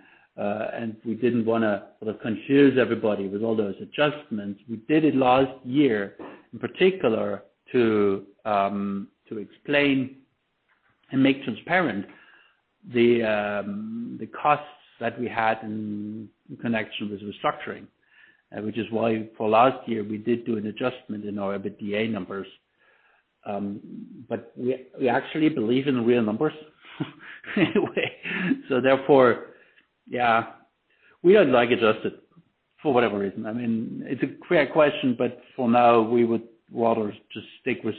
Speaker 3: We didn't wanna sort of confuse everybody with all those adjustments. We did it last year in particular to explain and make transparent the costs that we had in connection with restructuring, which is why for last year we did do an adjustment in our EBITDA numbers. We actually believe in the real numbers anyway. Therefore, yeah, we don't like adjusted for whatever reason. I mean, it's a fair question, but for now, we would rather just stick with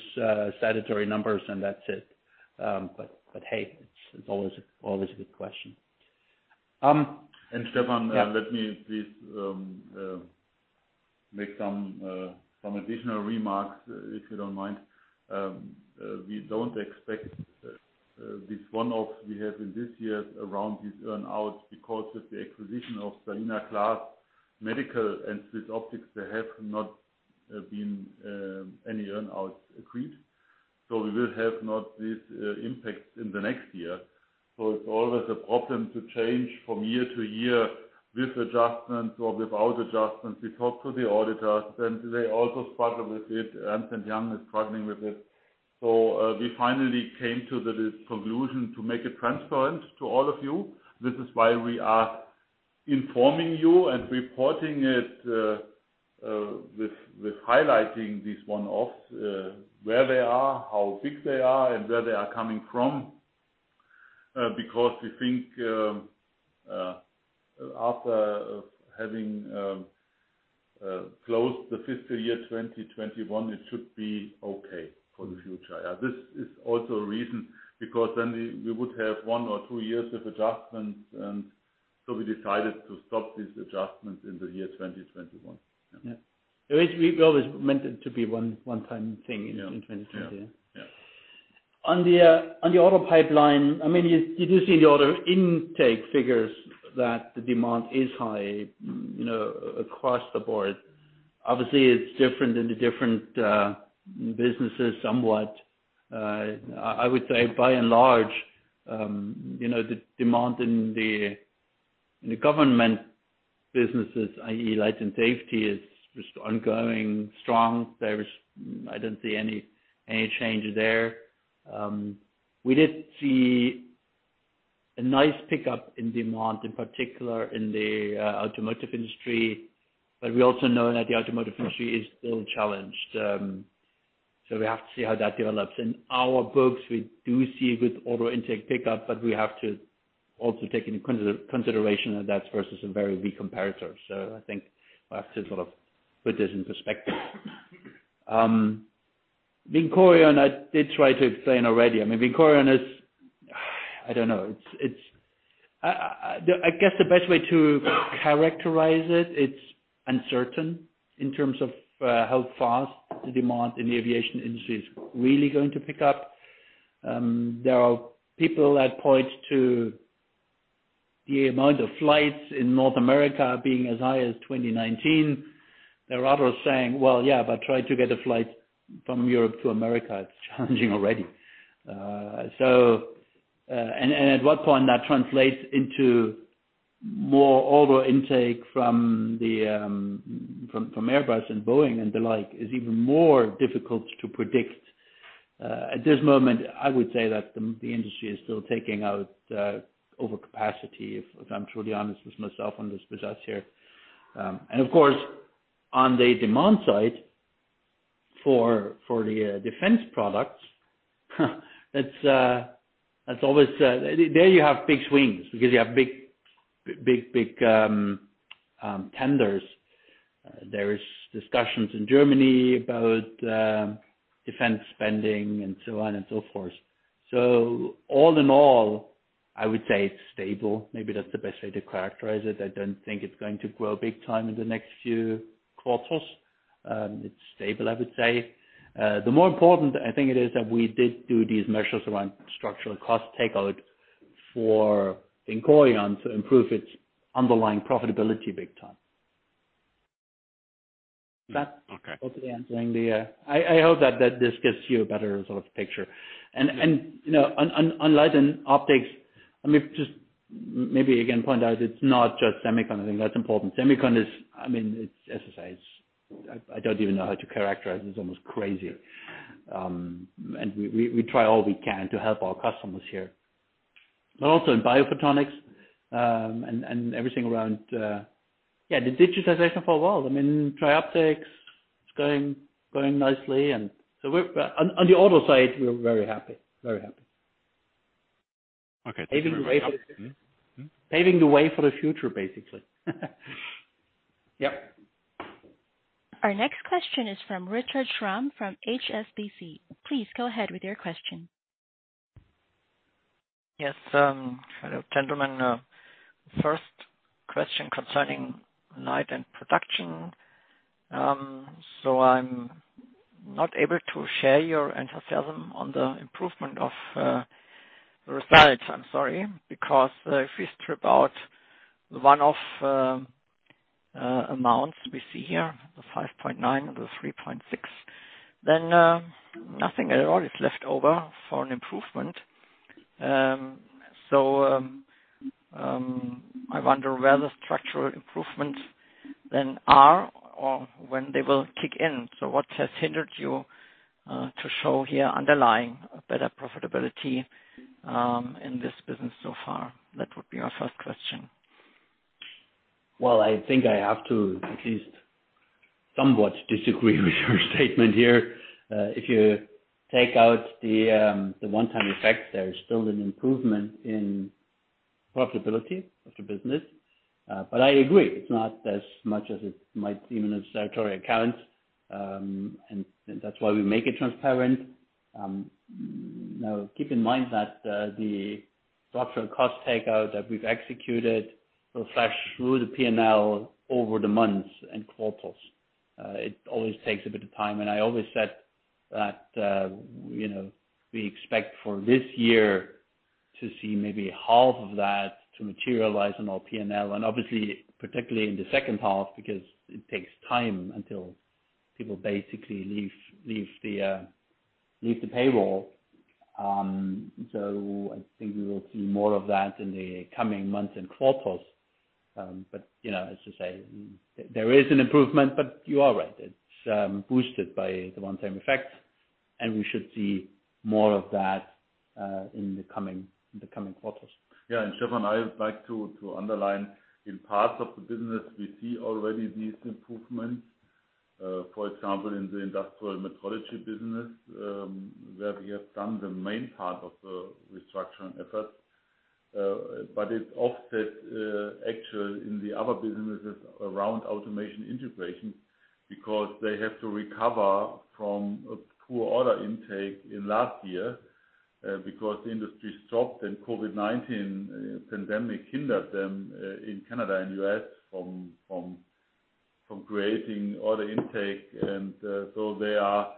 Speaker 3: statutory numbers, and that's it. Hey, it's always a good question.
Speaker 4: And Stefan-
Speaker 3: Yeah.
Speaker 4: Let me please make some additional remarks, if you don't mind. We don't expect these one-offs we have in this year around these earn-outs because with the acquisition of Berliner Glas Medical and SwissOptic, they have not been any earn-outs agreed. We will have not these impacts in the next year. It's always a problem to change from year to year with adjustments or without adjustments. We talk to the auditors, and they also struggle with it, and Saint-Gobain is struggling with it. We finally came to the conclusion to make it transparent to all of you. This is why we are informing you and reporting it with highlighting these one-offs, where they are, how big they are, and where they are coming from. Because we think, after having closed the fiscal year 2021, it should be okay for the future. This is also a reason, because then we would have one or two years of adjustments, and so we decided to stop these adjustments in the year 2021.
Speaker 3: Yeah. Which we always meant it to be one time thing.
Speaker 4: Yeah.
Speaker 3: in 2020.
Speaker 4: Yeah. Yeah.
Speaker 3: On the order pipeline, I mean, you do see the order intake figures that the demand is high, you know, across the board. Obviously it's different in the different businesses somewhat. I would say by and large, you know, the demand in the government businesses, i.e., Light and Safety, is just ongoing strong. There is. I don't see any change there. We did see a nice pickup in demand, in particular in the automotive industry, but we also know that the automotive industry is still challenged. We have to see how that develops. In our books, we do see a good auto intake pickup, but we have to also take into consideration that that's versus a very weak comparator. I think we have to sort of put this into perspective. VINCORION, I did try to explain already. I mean, VINCORION is. I don't know. It's I guess the best way to characterize it's uncertain in terms of how fast the demand in the aviation industry is really going to pick up. There are people that point to the amount of flights in North America being as high as 2019. There are others saying, "Well, yeah, but try to get a flight from Europe to America. It's challenging already." So, and at what point that translates into more order intake from Airbus and Boeing and the like is even more difficult to predict. At this moment, I would say that the industry is still taking out overcapacity, if I'm truly honest with myself on this, with us here. Of course, on the demand side for the defense products, that's always. There you have big swings because you have big tenders. There are discussions in Germany about defense spending and so on and so forth. All in all, I would say it's stable. Maybe that's the best way to characterize it. I don't think it's going to grow big time in the next few quarters. It's stable, I would say. The more important I think it is that we did do these measures around structural cost takeout for VINCORION to improve its underlying profitability big time.
Speaker 5: Okay.
Speaker 3: That's hopefully answering the. I hope that this gives you a better sort of picture. You know, on Light & Optics, let me just maybe again point out it's not just semicon. I think that's important. Semicon is, I mean, it's SSI. I don't even know how to characterize it. It's almost crazy. We try all we can to help our customers here. Also in biophotonics, everything around the digitization for a while. I mean, TRIOPTICS is going nicely. On the auto side, we're very happy. Very happy.
Speaker 5: Okay.
Speaker 3: Paving the way for-
Speaker 5: Mm-hmm.
Speaker 3: Paving the way for the future, basically. Yep.
Speaker 1: Our next question is from Richard Schramm from HSBC. Please go ahead with your question.
Speaker 6: Yes. Hello, gentlemen. First question concerning Light & Production. I'm not able to share your enthusiasm on the improvement of the results, I'm sorry, because if you strip out one-off amounts we see here, the 5.9% or the 3.6%, then nothing at all is left over for an improvement. I wonder where the structural improvements then are or when they will kick in. What has hindered you to show here underlying a better profitability in this business so far? That would be our first question.
Speaker 3: Well, I think I have to at least somewhat disagree with your statement here. If you take out the one-time effects, there is still an improvement in profitability of the business. But I agree, it's not as much as it might seem in a statutory account, and that's why we make it transparent. Now, keep in mind that the structural cost takeout that we've executed will flash through the P&L over the months and quarters. It always takes a bit of time. I always said that you know, we expect for this year to see maybe half of that to materialize in our P&L, and obviously particularly in the second half because it takes time until people basically leave the payroll. I think we will see more of that in the coming months and quarters. You know, as you say, there is an improvement, but you are right. It's boosted by the one-time effects, and we should see more of that in the coming quarters.
Speaker 4: Yeah. Stefan, I would like to underline, in parts of the business we see already these improvements, for example, in the Industrial Metrology business, where we have done the main part of the restructuring efforts. It offsets, actually, in the other businesses around Automation & Integration because they have to recover from a poor order intake in last year, because the industry stopped and COVID-19 pandemic hindered them, in Canada and U.S. from creating order intake and, so they are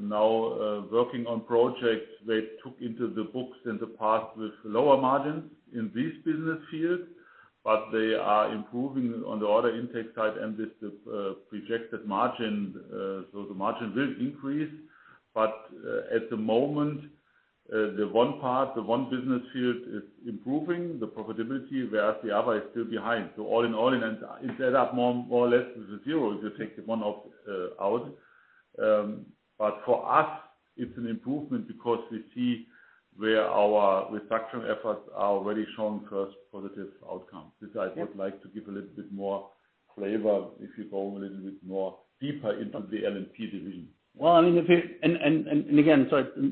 Speaker 4: now working on projects they took into the books in the past with lower margins in this business field, but they are improving on the order intake side and this projected margin, so the margin will increase. At the moment, the one business field is improving the profitability, whereas the other is still behind. All in all, it adds up more or less to zero if you take the one-off out. For us, it's an improvement because we see where our reduction efforts are already showing first positive outcomes. This I would like to give a little bit more flavor if you go a little bit more deeper into the L&P division.
Speaker 3: Just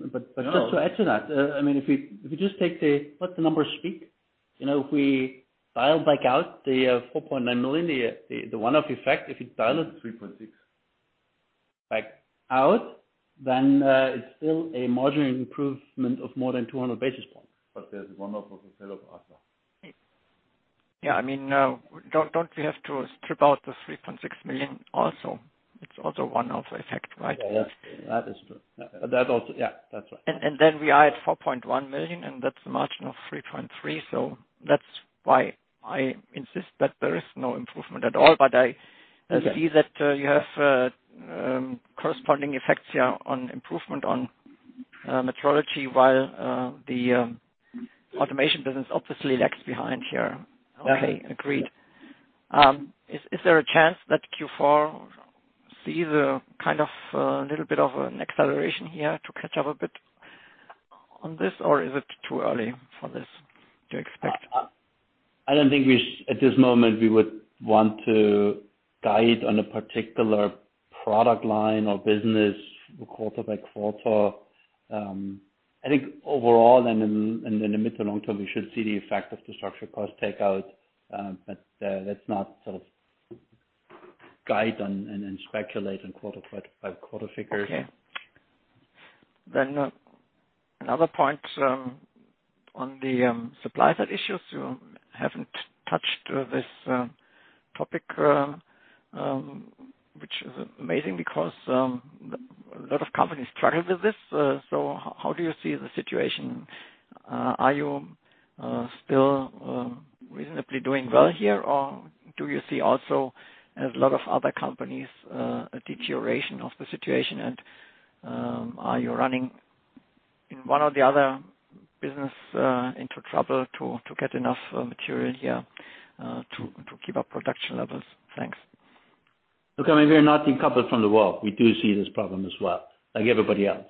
Speaker 3: to add to that, I mean, if you just take that, let the numbers speak. You know, if we dial back out the 4.9 million, the one-off effect. If you dial it-
Speaker 4: 3.6.
Speaker 3: It's still a marginal improvement of more than 200 basis points.
Speaker 4: There's one off of the sale of ASA.
Speaker 6: I mean, don't we have to strip out the 3.6 million also? It's also one-off effect, right?
Speaker 3: Yeah. That is true. Yeah, that's right.
Speaker 6: We are at 4.1 million, and that's a margin of 3.3%. That's why I insist that there is no improvement at all. I see that you have corresponding effects here on improvement on metrology while the automation business obviously lags behind here. Okay, agreed. Is there a chance that Q4 sees a kind of little bit of an acceleration here to catch up a bit on this, or is it too early for this to expect?
Speaker 3: I don't think at this moment, we would want to guide on a particular product line or business quarter by quarter. I think overall and in the mid to long term, we should see the effect of the structural cost take out. Let's not sort of guide and speculate on quarter by quarter figures.
Speaker 6: Okay. Another point on the supply side issues. You haven't touched this topic, which is amazing because a lot of companies struggle with this. How do you see the situation? Are you still reasonably doing well here, or do you see also a lot of other companies a deterioration of the situation, and are you running in one or the other business into trouble to get enough material here to keep up production levels? Thanks.
Speaker 3: Look, I mean, we're not decoupled from the world. We do see this problem as well, like everybody else.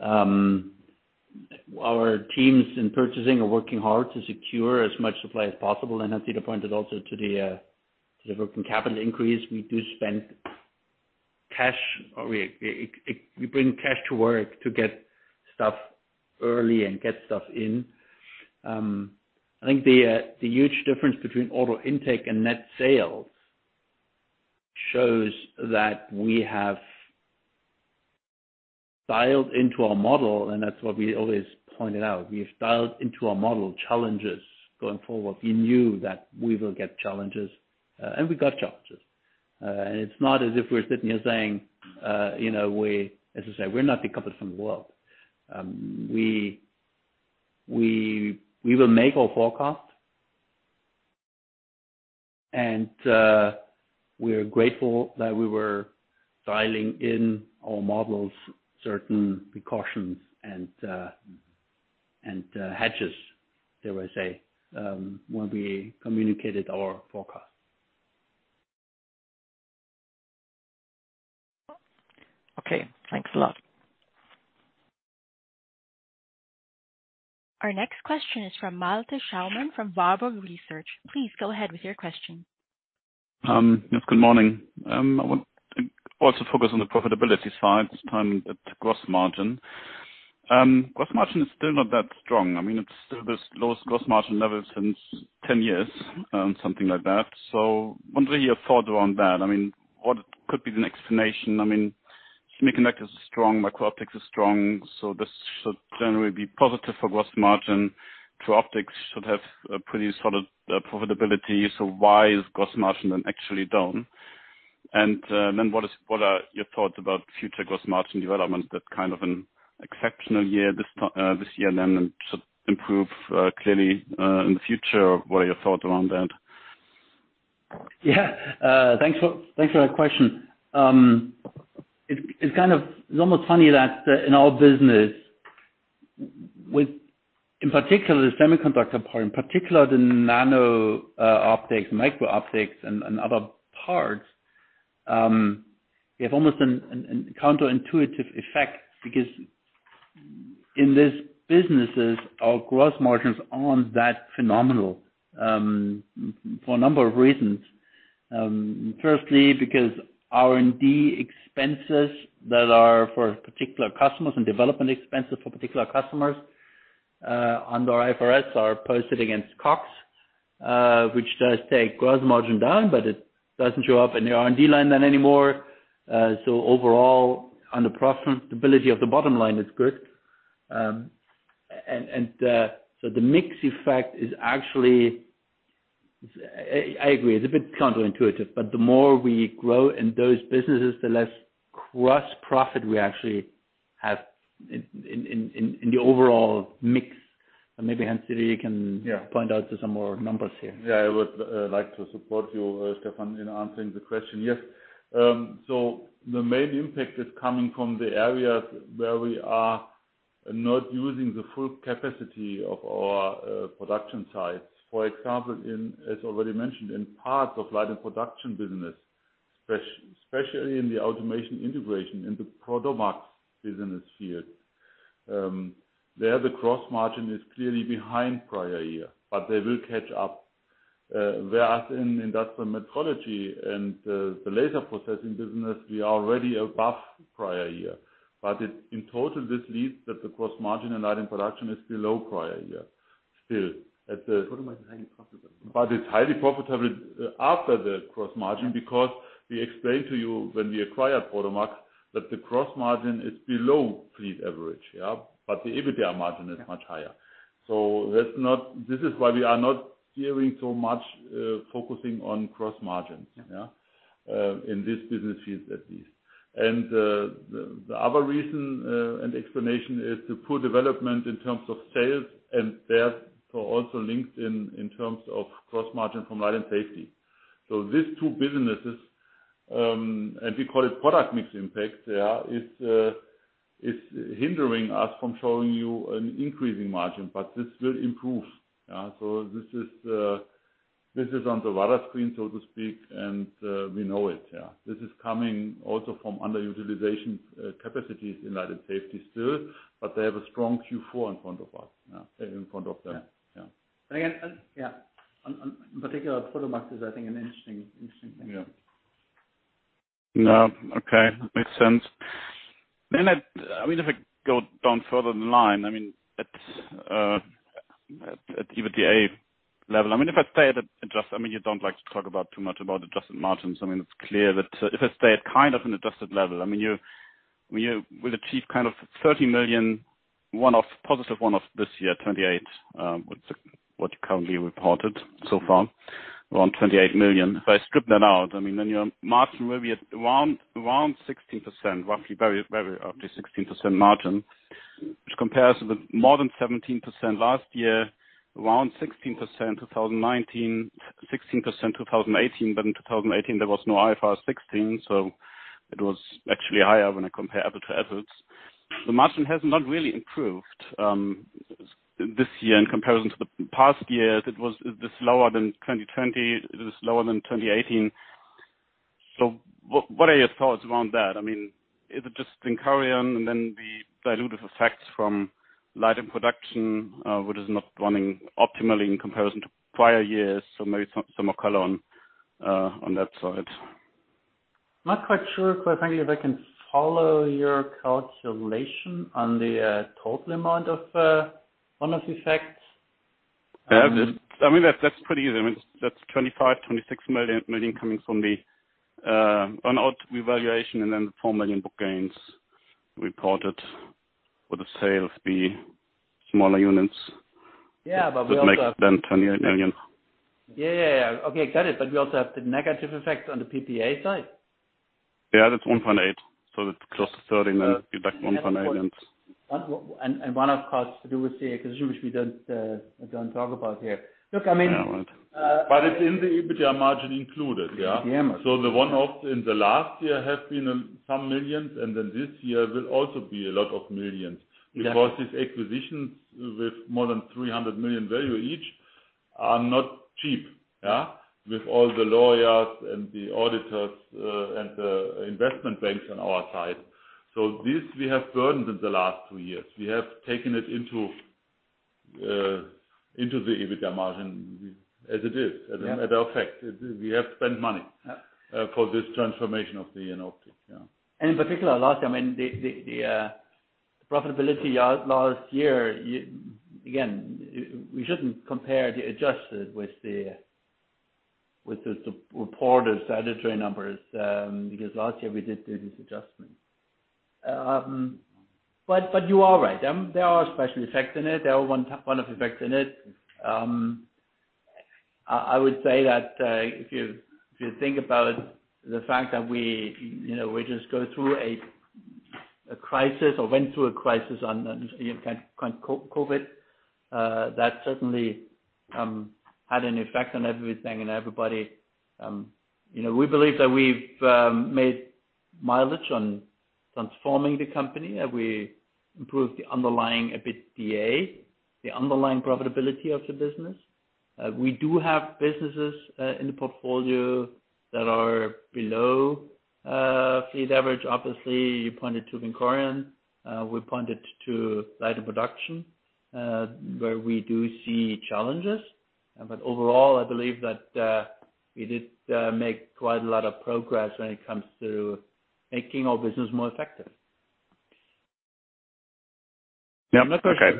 Speaker 3: Our teams in purchasing are working hard to secure as much supply as possible. Hans-Dieter pointed also to the working capital increase, we do spend cash, or we bring cash to work to get stuff early and get stuff in. I think the huge difference between order intake and net sales shows that we have dialed into our model, and that's what we always pointed out. We've dialed into our model challenges going forward. We knew that we will get challenges, and we got challenges. It's not as if we're sitting here saying, you know, as I said, we're not decoupled from the world. We will make our forecast and we are grateful that we were dialing in our models, certain precautions and hedges, dare I say, when we communicated our forecast.
Speaker 6: Okay. Thanks a lot.
Speaker 1: Our next question is from Malte Schaumann from Warburg Research. Please go ahead with your question.
Speaker 7: Yes, good morning. I want also focus on the profitability side, this time the gross margin. Gross margin is still not that strong. I mean, it's still this low gross margin level since 10 years, something like that. I wonder your thoughts around that. I mean, what could be the next action? I mean, semiconductor is strong, microoptics is strong, so this should generally be positive for gross margin. TRIOPTICS should have a pretty solid profitability. Why is gross margin then actually down? Then what are your thoughts about future gross margin development? That's kind of an exceptional year this year then, and should improve clearly in the future. What are your thoughts around that?
Speaker 3: Yeah. Thanks for that question. It's almost funny that in our business with, in particular the semiconductor part, in particular the nano optics, microoptics and other parts, we have almost a counterintuitive effect because in these businesses, our gross margins aren't that phenomenal for a number of reasons. Firstly because R&D expenses that are for particular customers and development expenses for particular customers under IFRS are posted against COGS, which does take gross margin down, but it doesn't show up in the R&D line then anymore. Overall, on the profitability of the bottom line is good. The mix effect is actually, I agree it's a bit counterintuitive, but the more we grow in those businesses, the less gross profit we actually have in the overall mix. Maybe Hans-Dieter can-
Speaker 4: Yeah.
Speaker 3: Point out to some more numbers here.
Speaker 4: I would like to support you, Stefan, in answering the question. The main impact is coming from the areas where we are not using the full capacity of our production sites. For example, as already mentioned, in parts of Light & Production business, especially in the Automation & Integration, in the Prodomax business here. There the gross margin is clearly behind prior year, but they will catch up. Whereas in industrial metrology and the laser processing business, we are already above prior year. In total, this leads that the gross margin in Light & Production is below prior year still at the
Speaker 3: Prodomax is highly profitable.
Speaker 4: It's highly profitable after the gross margin. Because we explained to you when we acquired Prodomax that the gross margin is below fleet average, yeah? The EBITDA margin is much higher. This is why we are not steering so much, focusing on gross margins.
Speaker 3: Yeah.
Speaker 4: In this business unit at least. The other reason and explanation is the poor development in terms of sales and therefore also linked in terms of gross margin from Light & Safety. These two businesses, and we call it product mix impact. It's hindering us from showing you an increasing margin, but this will improve. This is on the radar screen, so to speak, and we know it. This is coming also from underutilization capacities in Light & Safety still, but they have a strong Q4 in front of them. Yeah.
Speaker 3: Yeah. Again, one in particular, Prodomax is, I think, an interesting thing.
Speaker 4: Yeah.
Speaker 7: No. Okay. Makes sense. I mean, if I go down further in the line, I mean, at EBITDA level. I mean, if I stay at adjusted. I mean, you don't like to talk about too much about adjusted margins. I mean, it's clear that, if I stay at kind of an adjusted level, I mean, you, when you will achieve kind of 30 million one-off, +1 off this year, 28, what you currently reported so far, around 28 million. If I strip that out, I mean, then your margin will be at around 16%, roughly very, very roughly 16% margin, which compares with more than 17% last year, around 16% 2019. 16% 2018. In 2018 there was no IFRS 16, so it was actually higher when I compare apples to apples. The margin has not really improved this year in comparison to the past years. Is this lower than 2020? It is lower than 2018. What are your thoughts around that? I mean, is it just VINCORION and then the dilutive effects from Light & Production, which is not running optimally in comparison to prior years? Maybe some more color on that side.
Speaker 3: Not quite sure, quite frankly, if I can follow your calculation on the total amount of one-off effects.
Speaker 7: I mean, that's pretty easy. I mean, that's 25 million-26 million coming from the revaluation and then the 4 million book gains reported for the sales of the smaller units.
Speaker 3: Yeah. We also have
Speaker 7: That makes it then EUR 28 million.
Speaker 3: Yeah, yeah. Okay. Got it. We also have the negative effect on the PPA side.
Speaker 7: Yeah. That's 1.8. So that's close to 30 million. Deduct 1.8 million.
Speaker 3: One, of course, to do with the acquisition which we don't talk about here. Look, I mean
Speaker 7: Yeah. Right.
Speaker 4: It's included in the EBITDA margin, yeah.
Speaker 3: EBITDA margin.
Speaker 4: The one-off in the last year has been some millions EUR and then this year will also be a lot of millions EUR.
Speaker 3: Yeah.
Speaker 4: Because these acquisitions with more than 300 million value each are not cheap. Yeah. With all the lawyers and the auditors, and the investment banks on our side. This we have burdened in the last two years. We have taken it into into the EBITDA margin as it is.
Speaker 3: Yeah.
Speaker 4: As a matter of fact, we have spent money.
Speaker 3: Yeah.
Speaker 4: for this transformation of the Jenoptik. Yeah.
Speaker 3: In particular, last year, I mean, the profitability last year, again, we shouldn't compare the adjusted with the reported statutory numbers, because last year we did do this adjustment. But you are right. There are special effects in it. There are one-off effects in it. I would say that if you think about the fact that we, you know, we just went through a crisis, you know, kind of COVID, that certainly had an effect on everything and everybody. You know, we believe that we've made mileage on transforming the company. We improved the underlying EBITDA, the underlying profitability of the business. We do have businesses in the portfolio that are below fleet average. Obviously, you pointed to VINCORION. We pointed to Light & Production, where we do see challenges. Overall, I believe that we did make quite a lot of progress when it comes to making our business more effective.
Speaker 7: Yeah. Okay.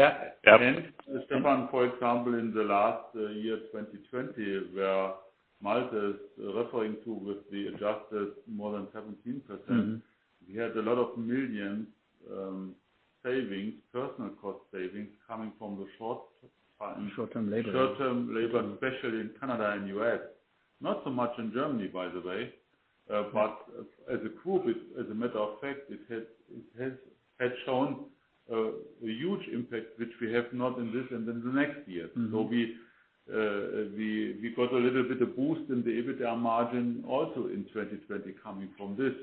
Speaker 3: Yeah.
Speaker 7: Yeah.
Speaker 4: Stefan, for example, in the last year, 2020, where Malte is referring to with the adjusted more than 17%.
Speaker 3: Mm-hmm.
Speaker 4: We had a lot of million savings, personnel cost savings coming from the short-
Speaker 3: Short-term labor.
Speaker 4: Short-term labor, especially in Canada and U.S. Not so much in Germany, by the way. As a proof, as a matter of fact, it has shown a huge impact which we have not envisioned in the next year.
Speaker 3: Mm-hmm.
Speaker 4: We got a little bit of boost in the EBITDA margin also in 2020 coming from this.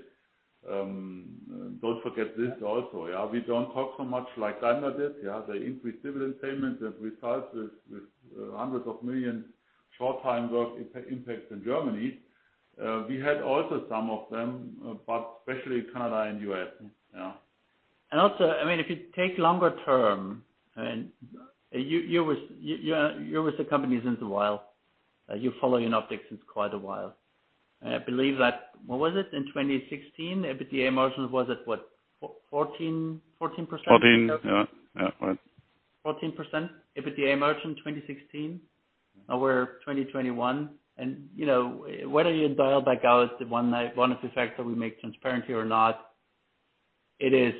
Speaker 4: Don't forget this also. Yeah, we don't talk so much like Daimler did. Yeah, they increased dividend payments as a result with hundreds of millions short-time work impact in Germany. We had also some of them, but especially Canada and U.S. Yeah.
Speaker 3: I mean, if you take longer term and you're with the company for a while. You follow Jenoptik for quite a while. I believe that in 2016, EBITDA margin was at 14%.
Speaker 4: 14. Yeah. Yeah. Right.
Speaker 3: 14% EBITDA margin, 2016. Now we're 2021. You know, whether you dial back out the one-off—one of the factors we make transparent or not, it is,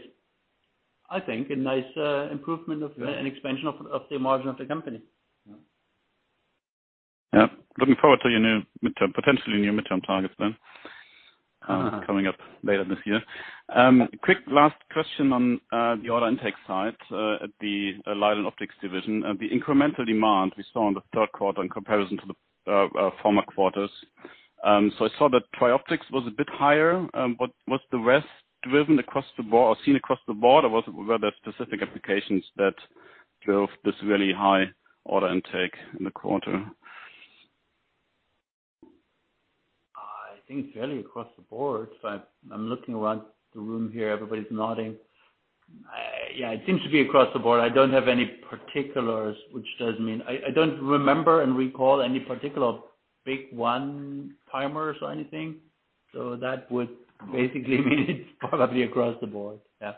Speaker 3: I think, a nice improvement of-
Speaker 4: Yeah.
Speaker 3: an expansion of the margin of the company.
Speaker 4: Yeah.
Speaker 7: Yeah. Looking forward to your new midterm, potentially new midterm targets then, coming up later this year. Quick last question on the order intake side, at the Light & Optics division. The incremental demand we saw in the third quarter in comparison to the former quarters. So I saw that TRIOPTICS was a bit higher. But was the rest driven across the board or seen across the board? Or were there specific applications that drove this really high order intake in the quarter?
Speaker 3: I think it's really across the board. I'm looking around the room here. Everybody's nodding. Yeah, it seems to be across the board. I don't have any particulars, which does mean I don't remember and recall any particular big one-timers or anything. That would basically mean it's probably across the board. Yeah.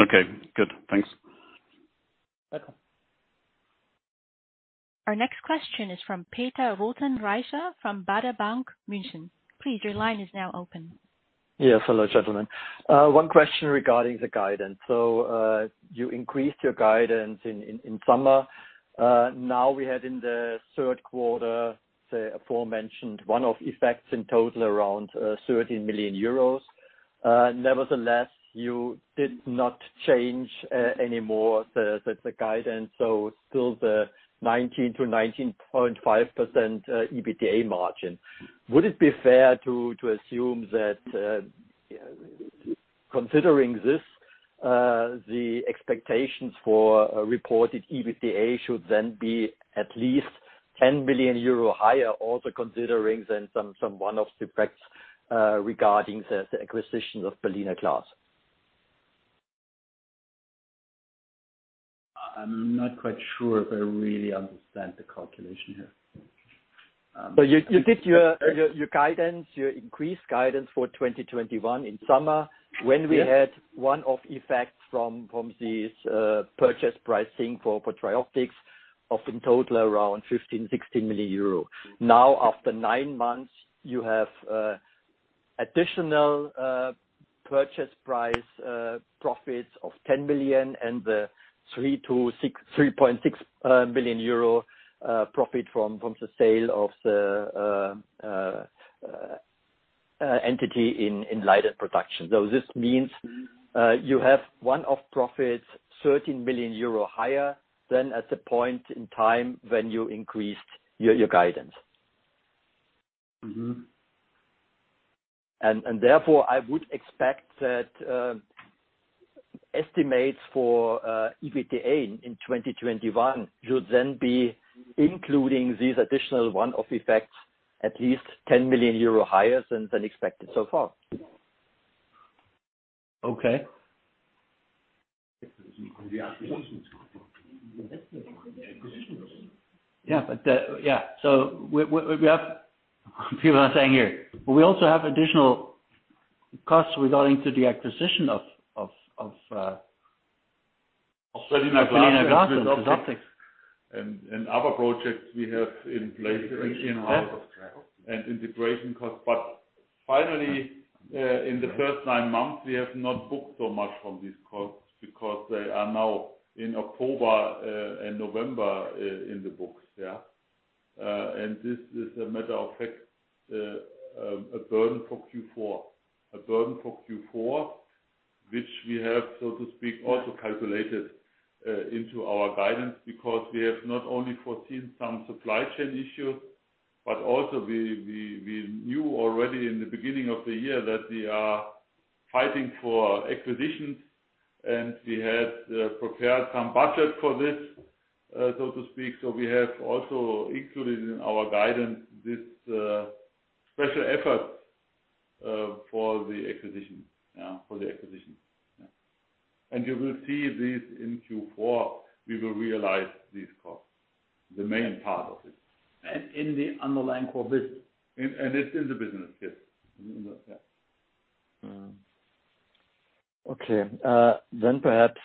Speaker 7: Okay, good. Thanks.
Speaker 3: Welcome.
Speaker 1: Our next question is from Peter Rothenaicher from Baader Bank, Munich. Please, your line is now open.
Speaker 8: Yes. Hello, gentlemen. One question regarding the guidance. You increased your guidance in summer. Now we had in the third quarter aforementioned one-off effects in total around 13 million euros. Nevertheless, you did not change any more the guidance. Still the 19%-19.5% EBITDA margin. Would it be fair to assume that considering this the expectations for a reported EBITDA should then be at least 10 million euro higher, also considering then some one-off effects regarding the acquisition of Berliner Glas?
Speaker 4: I'm not quite sure if I really understand the calculation here.
Speaker 8: You did your increased guidance for 2021 in summer-
Speaker 4: Yes.
Speaker 8: When we had one of the effects from this purchase price for TRIOPTICS of in total around 15-16 million euro. Now, after nine months, you have additional purchase price profits of 10 million and the 3.6 million euro profit from the sale of the entity in Light & Production. This means-
Speaker 4: Mm-hmm.
Speaker 8: You have one-off profits 13 billion euro higher than at the point in time when you increased your guidance.
Speaker 4: Mm-hmm.
Speaker 8: Therefore, I would expect that estimates for EBITDA in 2021 should then be including these additional one-off effects, at least 10 million euro higher than expected so far?
Speaker 4: Okay.
Speaker 3: Yeah. Yeah. We have people are saying here. We also have additional costs regarding to the acquisition of,
Speaker 4: Of Berliner Glas.
Speaker 3: Berliner Glas and TRIOPTICS.
Speaker 4: other projects we have in place in-house and integration costs. Finally, in the first nine months, we have not booked so much from these costs because they are now in October and November in the books. Yeah. This is a matter of fact, a burden for Q4. A burden for Q4, which we have, so to speak, also calculated into our guidance because we have not only foreseen some supply chain issue, but also we knew already in the beginning of the year that we are fighting for acquisitions, and we had prepared some budget for this, so to speak. We have also included in our guidance this special effort for the acquisition. Yeah, for the acquisition. Yeah. You will see this in Q4. We will realize these costs, the main part of it.
Speaker 3: In the underlying core business.
Speaker 4: It's in the business, yes. Yeah.
Speaker 8: Okay. Perhaps,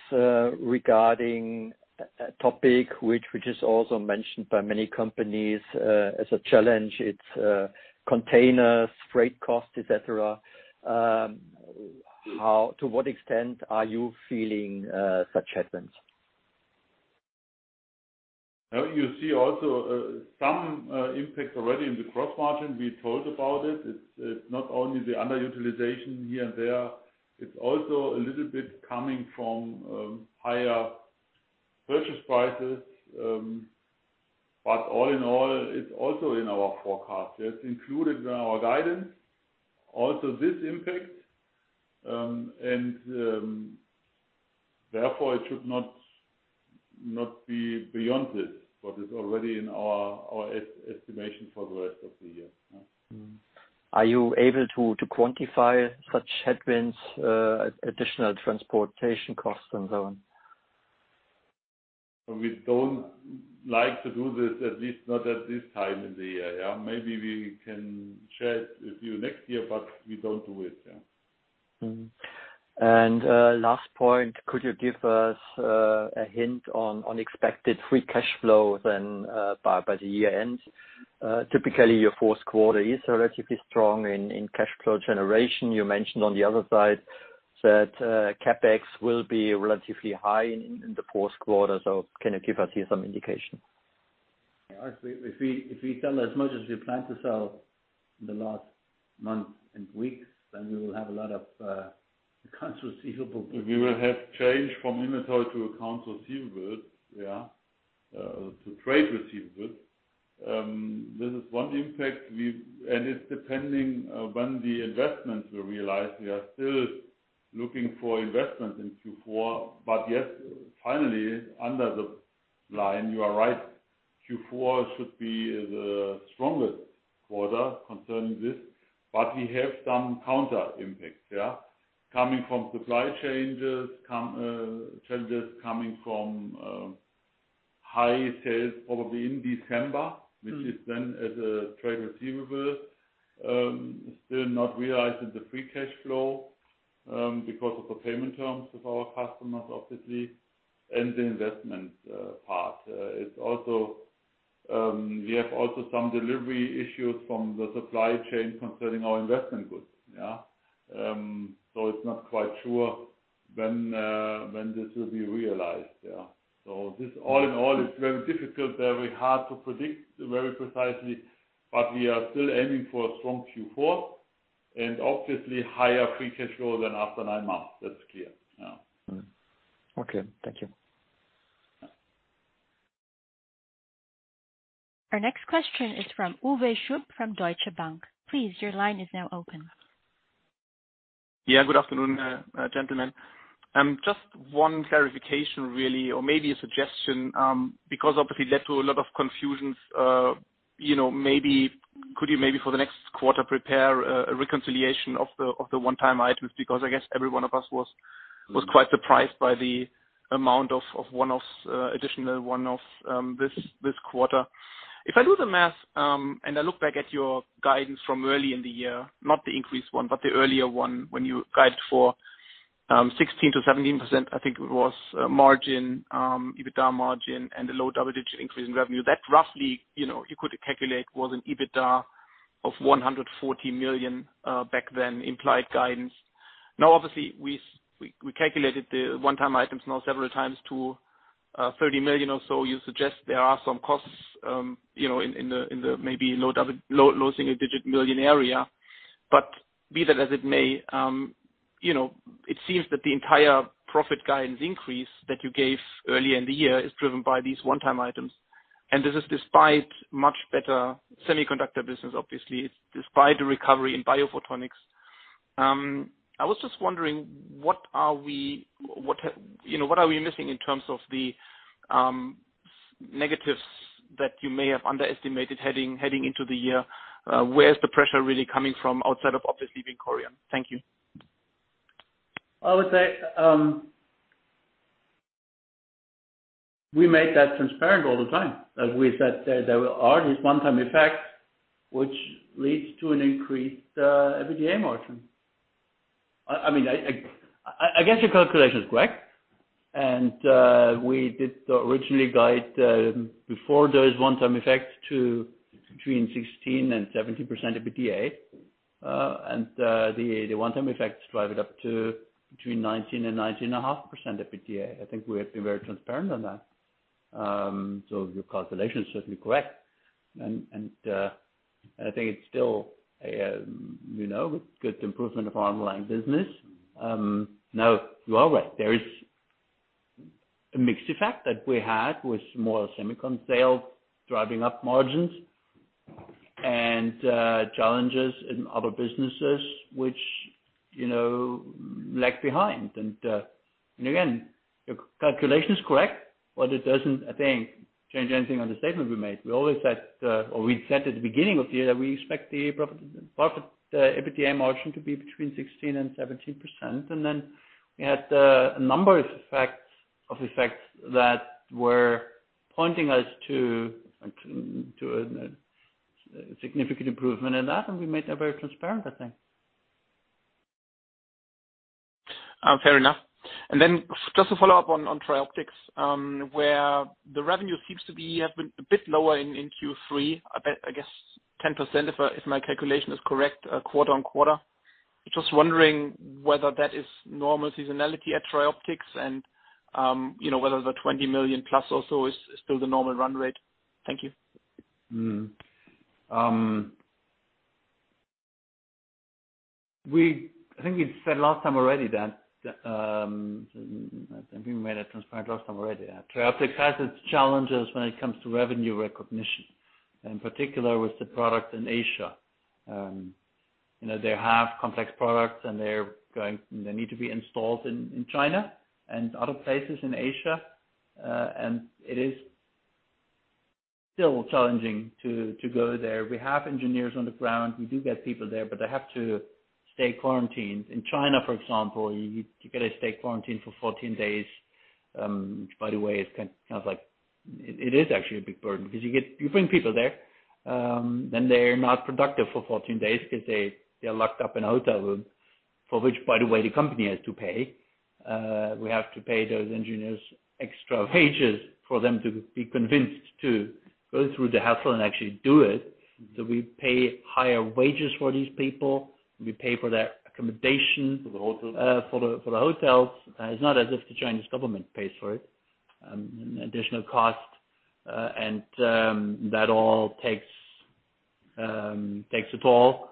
Speaker 8: regarding a topic which is also mentioned by many companies as a challenge, it's containers, freight costs, et cetera. To what extent are you feeling such headwinds?
Speaker 4: Now you see also some impact already in the gross margin. We told about it. It's not only the underutilization here and there, it's also a little bit coming from higher purchase prices. All in all, it's also in our forecast. It's included in our guidance, also this impact. Therefore it should not be beyond this, but it's already in our estimation for the rest of the year.
Speaker 8: Are you able to quantify such headwinds, additional transportation costs and so on?
Speaker 4: We don't like to do this, at least not at this time in the year, yeah. Maybe we can share it with you next year, but we don't do it, yeah.
Speaker 8: Last point. Could you give us a hint on expected free cash flow then by the year-end? Typically your fourth quarter is relatively strong in cash flow generation. You mentioned on the other side that CapEx will be relatively high in the fourth quarter. Can you give us here some indication?
Speaker 3: If we sell as much as we plan to sell in the last month and weeks, then we will have a lot of accounts receivable.
Speaker 4: We will have change from inventory to accounts receivable to trade receivables. This is one impact and it's depending when the investments will realize. We are still looking for investment in Q4. Yes, finally, under the line, you are right. Q4 should be the strongest quarter concerning this. We have some counter impacts. Coming from supply changes coming from high sales probably in December, which is then as a trade receivable still not realized in the free cash flow because of the payment terms of our customers, obviously, and the investment part. It's also we have also some delivery issues from the supply chain concerning our investment goods. It's not quite sure when this will be realized. This all in all is very difficult, very hard to predict very precisely, but we are still aiming for a strong Q4 and obviously higher free cash flow than after nine months. That's clear, yeah.
Speaker 8: Okay. Thank you.
Speaker 1: Our next question is from Uwe Schupp from Deutsche Bank. Please, your line is now open.
Speaker 9: Good afternoon, gentlemen. Just one clarification really, or maybe a suggestion, because obviously led to a lot of confusions. You know, maybe could you maybe for the next quarter prepare a reconciliation of the one-time items? Because I guess every one of us was quite surprised by the amount of one-offs, additional one-offs, this quarter. If I do the math, and I look back at your guidance from early in the year, not the increased one, but the earlier one, when you guide for 16%-17%, I think it was, margin, EBITDA margin and the low double-digit increase in revenue. That roughly, you know, you could calculate was an EBITDA of 140 million, back then, implied guidance. Now, obviously, we calculated the one-time items now several times to 30 million or so. You suggest there are some costs in the maybe low single-digit million area. But be that as it may, it seems that the entire profit guidance increase that you gave earlier in the year is driven by these one-time items. This is despite much better semiconductor business, obviously. It's despite the recovery in biophotonics. I was just wondering, what are we missing in terms of the negatives that you may have underestimated heading into the year? Where is the pressure really coming from outside of obviously VINCORION? Thank you.
Speaker 3: I would say, we made that transparent all the time. As we said, there are these one-time effects which leads to an increased EBITDA margin. I mean, I guess your calculation is correct, and we did originally guide, before those one-time effects to between 16% and 17% EBITDA. The one-time effects drive it up to between 19% and 19.5% EBITDA. I think we have been very transparent on that. Your calculation should be correct. I think it's still a, you know, good improvement of our ongoing business. No, you are right. There is a mixed effect that we had with more semicon sales driving up margins and challenges in other businesses which, you know, lag behind. Again, your calculation is correct, but it doesn't, I think, change anything on the statement we made. We always said or we said at the beginning of the year that we expect the profit, the EBITDA margin to be between 16%-17%. Then we had a number of effects that were pointing us to a significant improvement in that, and we made that very transparent, I think.
Speaker 9: Fair enough. Then just to follow up on TRIOPTICS, where the revenue has been a bit lower in Q3. About, I guess 10% if my calculation is correct, quarter-over-quarter. Just wondering whether that is normal seasonality at TRIOPTICS and, you know, whether the 20 million plus or so is still the normal run rate. Thank you.
Speaker 3: I think we said last time already that I think we made it transparent last time already. TRIOPTICS has its challenges when it comes to revenue recognition, in particular with the product in Asia. You know, they have complex products, and they need to be installed in China and other places in Asia. It is still challenging to go there. We have engineers on the ground. We do get people there, but they have to stay quarantined. In China, for example, you gotta stay quarantined for 14 days. By the way, it's kind of like it is actually a big burden because you bring people there, then they're not productive for 14 days because they're locked up in a hotel room, for which, by the way, the company has to pay. We have to pay those engineers extra wages for them to be convinced to go through the hassle and actually do it. We pay higher wages for these people. We pay for their accommodation.
Speaker 4: For the hotels.
Speaker 3: For the hotels. It's not as if the Chinese government pays for it. Additional cost, and that all takes a toll.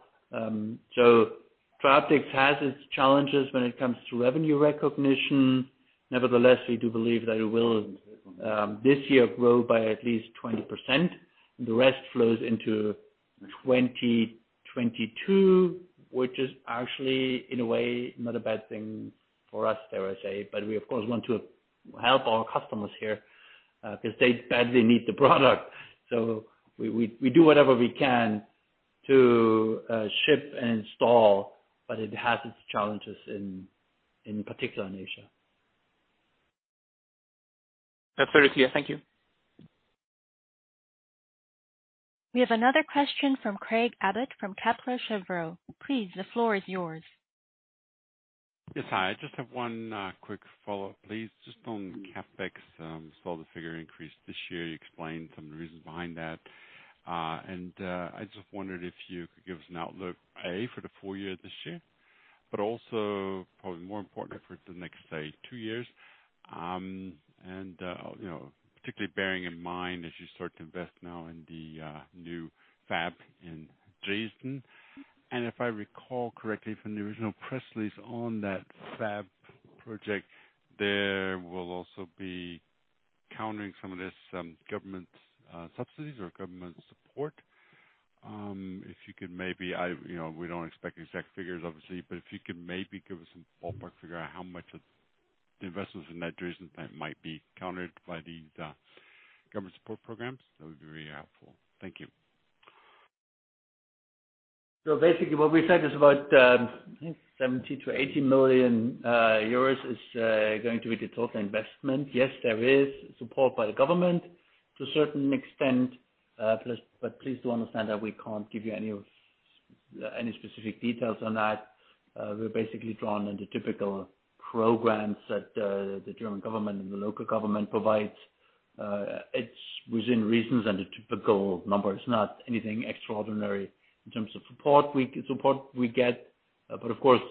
Speaker 3: TRIOPTICS has its challenges when it comes to revenue recognition. Nevertheless, we do believe that it will this year grow by at least 20%. The rest flows into 2022, which is actually in a way not a bad thing for us, dare I say. We, of course, want to help our customers here, 'cause they badly need the product. We do whatever we can to ship and install, but it has its challenges in particular in Asia.
Speaker 9: That's very clear. Thank you.
Speaker 1: We have another question from Craig Abbott from Kepler Cheuvreux. Please, the floor is yours.
Speaker 5: Yes. Hi. I just have one quick follow-up, please. Just on CapEx, I saw the figure increase this year. You explained some of the reasons behind that. I just wondered if you could give us an outlook for the full year this year, but also probably more importantly for the next, say, two years, you know, particularly bearing in mind as you start to invest now in the new fab in Dresden. If I recall correctly from the original press release on that fab project, there will also be covering some of this government subsidies or government support. If you could maybe. I've, you know, we don't expect exact figures obviously, but if you could maybe give us some ballpark figure how much of the investments in that Dresden plant might be countered by these government support programs, that would be very helpful. Thank you.
Speaker 3: Basically what we said is about, I think 70 million-80 million euros is going to be the total investment. Yes, there is support by the government to a certain extent, but please do understand that we can't give you any specific details on that. We're basically drawing on the typical programs that the German government and the local government provides. It's within reason and the typical numbers, not anything extraordinary in terms of support we get. Of course,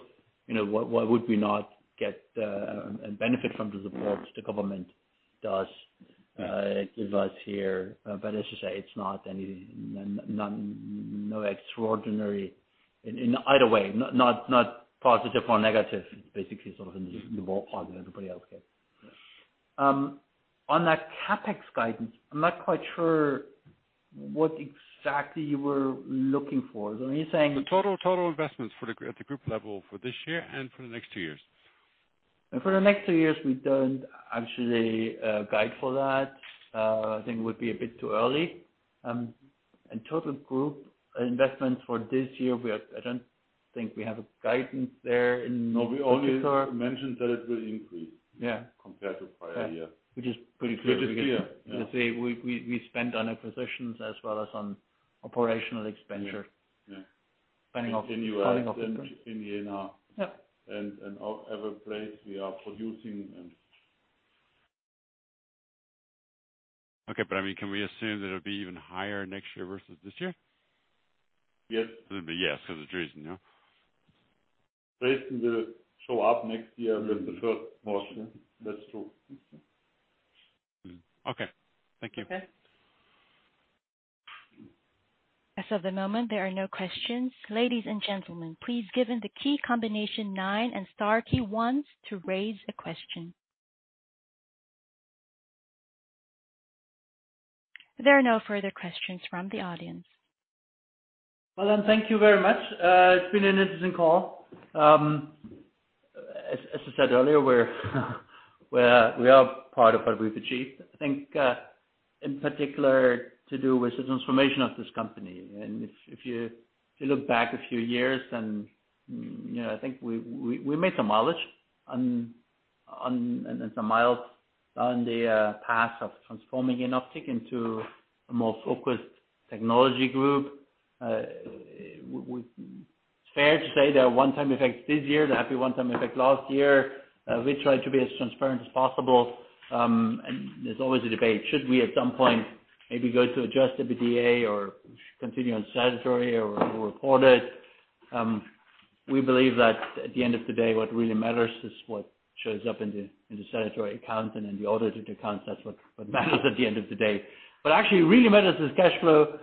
Speaker 3: you know, why would we not get benefit from the support the government gives us here? As you say, it's not extraordinary in either way, not positive or negative. Basically sort of in the ballpark that everybody else gets. On that CapEx guidance, I'm not quite sure what exactly you were looking for. Are you saying-
Speaker 4: The total investments at the group level for this year and for the next two years.
Speaker 3: For the next two years, we don't actually guide for that. I think it would be a bit too early. Total group investments for this year, I don't think we have a guidance there in-
Speaker 4: No, we only mentioned that it will increase.
Speaker 3: Yeah.
Speaker 4: Compared to prior year.
Speaker 3: Which is pretty clear.
Speaker 4: Pretty clear. Yeah.
Speaker 3: We spent on acquisitions as well as on operational expenditure.
Speaker 4: Yeah. Yeah.
Speaker 3: Depending of-
Speaker 4: In U.S. and in Jena.
Speaker 3: Yeah.
Speaker 4: Every place we are producing and
Speaker 5: Okay. I mean, can we assume that it'll be even higher next year versus this year?
Speaker 4: Yes.
Speaker 5: It'll be yes 'cause of Dresden, no?
Speaker 4: Dresden will show up next year with the first motion. That's true.
Speaker 5: Okay. Thank you.
Speaker 4: Okay.
Speaker 1: At the moment, there are no questions. Ladies and gentlemen, please press the key combination of nine and star key once to raise the question. There are no further questions from the audience.
Speaker 3: Thank you very much. It's been an interesting call. As I said earlier, we are proud of what we've achieved. I think, in particular to do with the transformation of this company. If you look back a few years and, you know, I think we made some mileage on the path of transforming Jenoptik into a more focused technology group. Fair to say there are one-time effects this year. There have been one-time effects last year. We try to be as transparent as possible. There's always a debate, should we at some point maybe go to adjusted EBITDA or continue on statutory or report it? We believe that at the end of the day, what really matters is what shows up in the statutory accounts and in the audited accounts. That's what matters at the end of the day. Actually what really matters is cash flow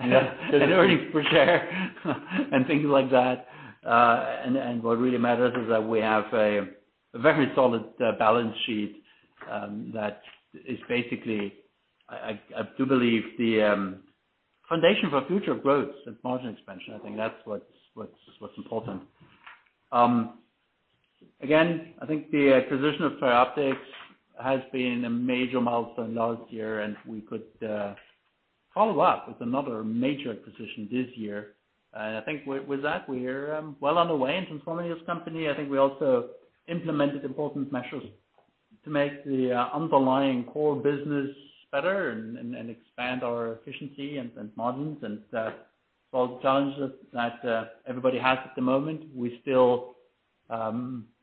Speaker 3: and earnings per share and things like that. What really matters is that we have a very solid balance sheet that is basically, I do believe the foundation for future growth and margin expansion. I think that's what's important. Again, I think the acquisition of TRIOPTICS has been a major milestone last year, and we could follow up with another major acquisition this year. I think with that, we're well on the way in transforming this company. I think we also implemented important measures to make the underlying core business better and expand our efficiency and margins and solve challenges that everybody has at the moment. We still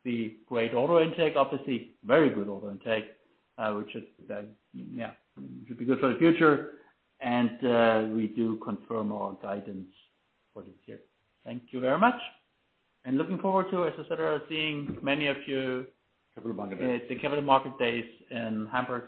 Speaker 3: see great order intake, obviously, very good order intake, which is yeah should be good for the future. We do confirm our guidance for this year. Thank you very much. Looking forward to, as I said earlier, seeing many of you.
Speaker 4: Capital Markets Day.
Speaker 3: At the Capital Markets Day in Hamburg.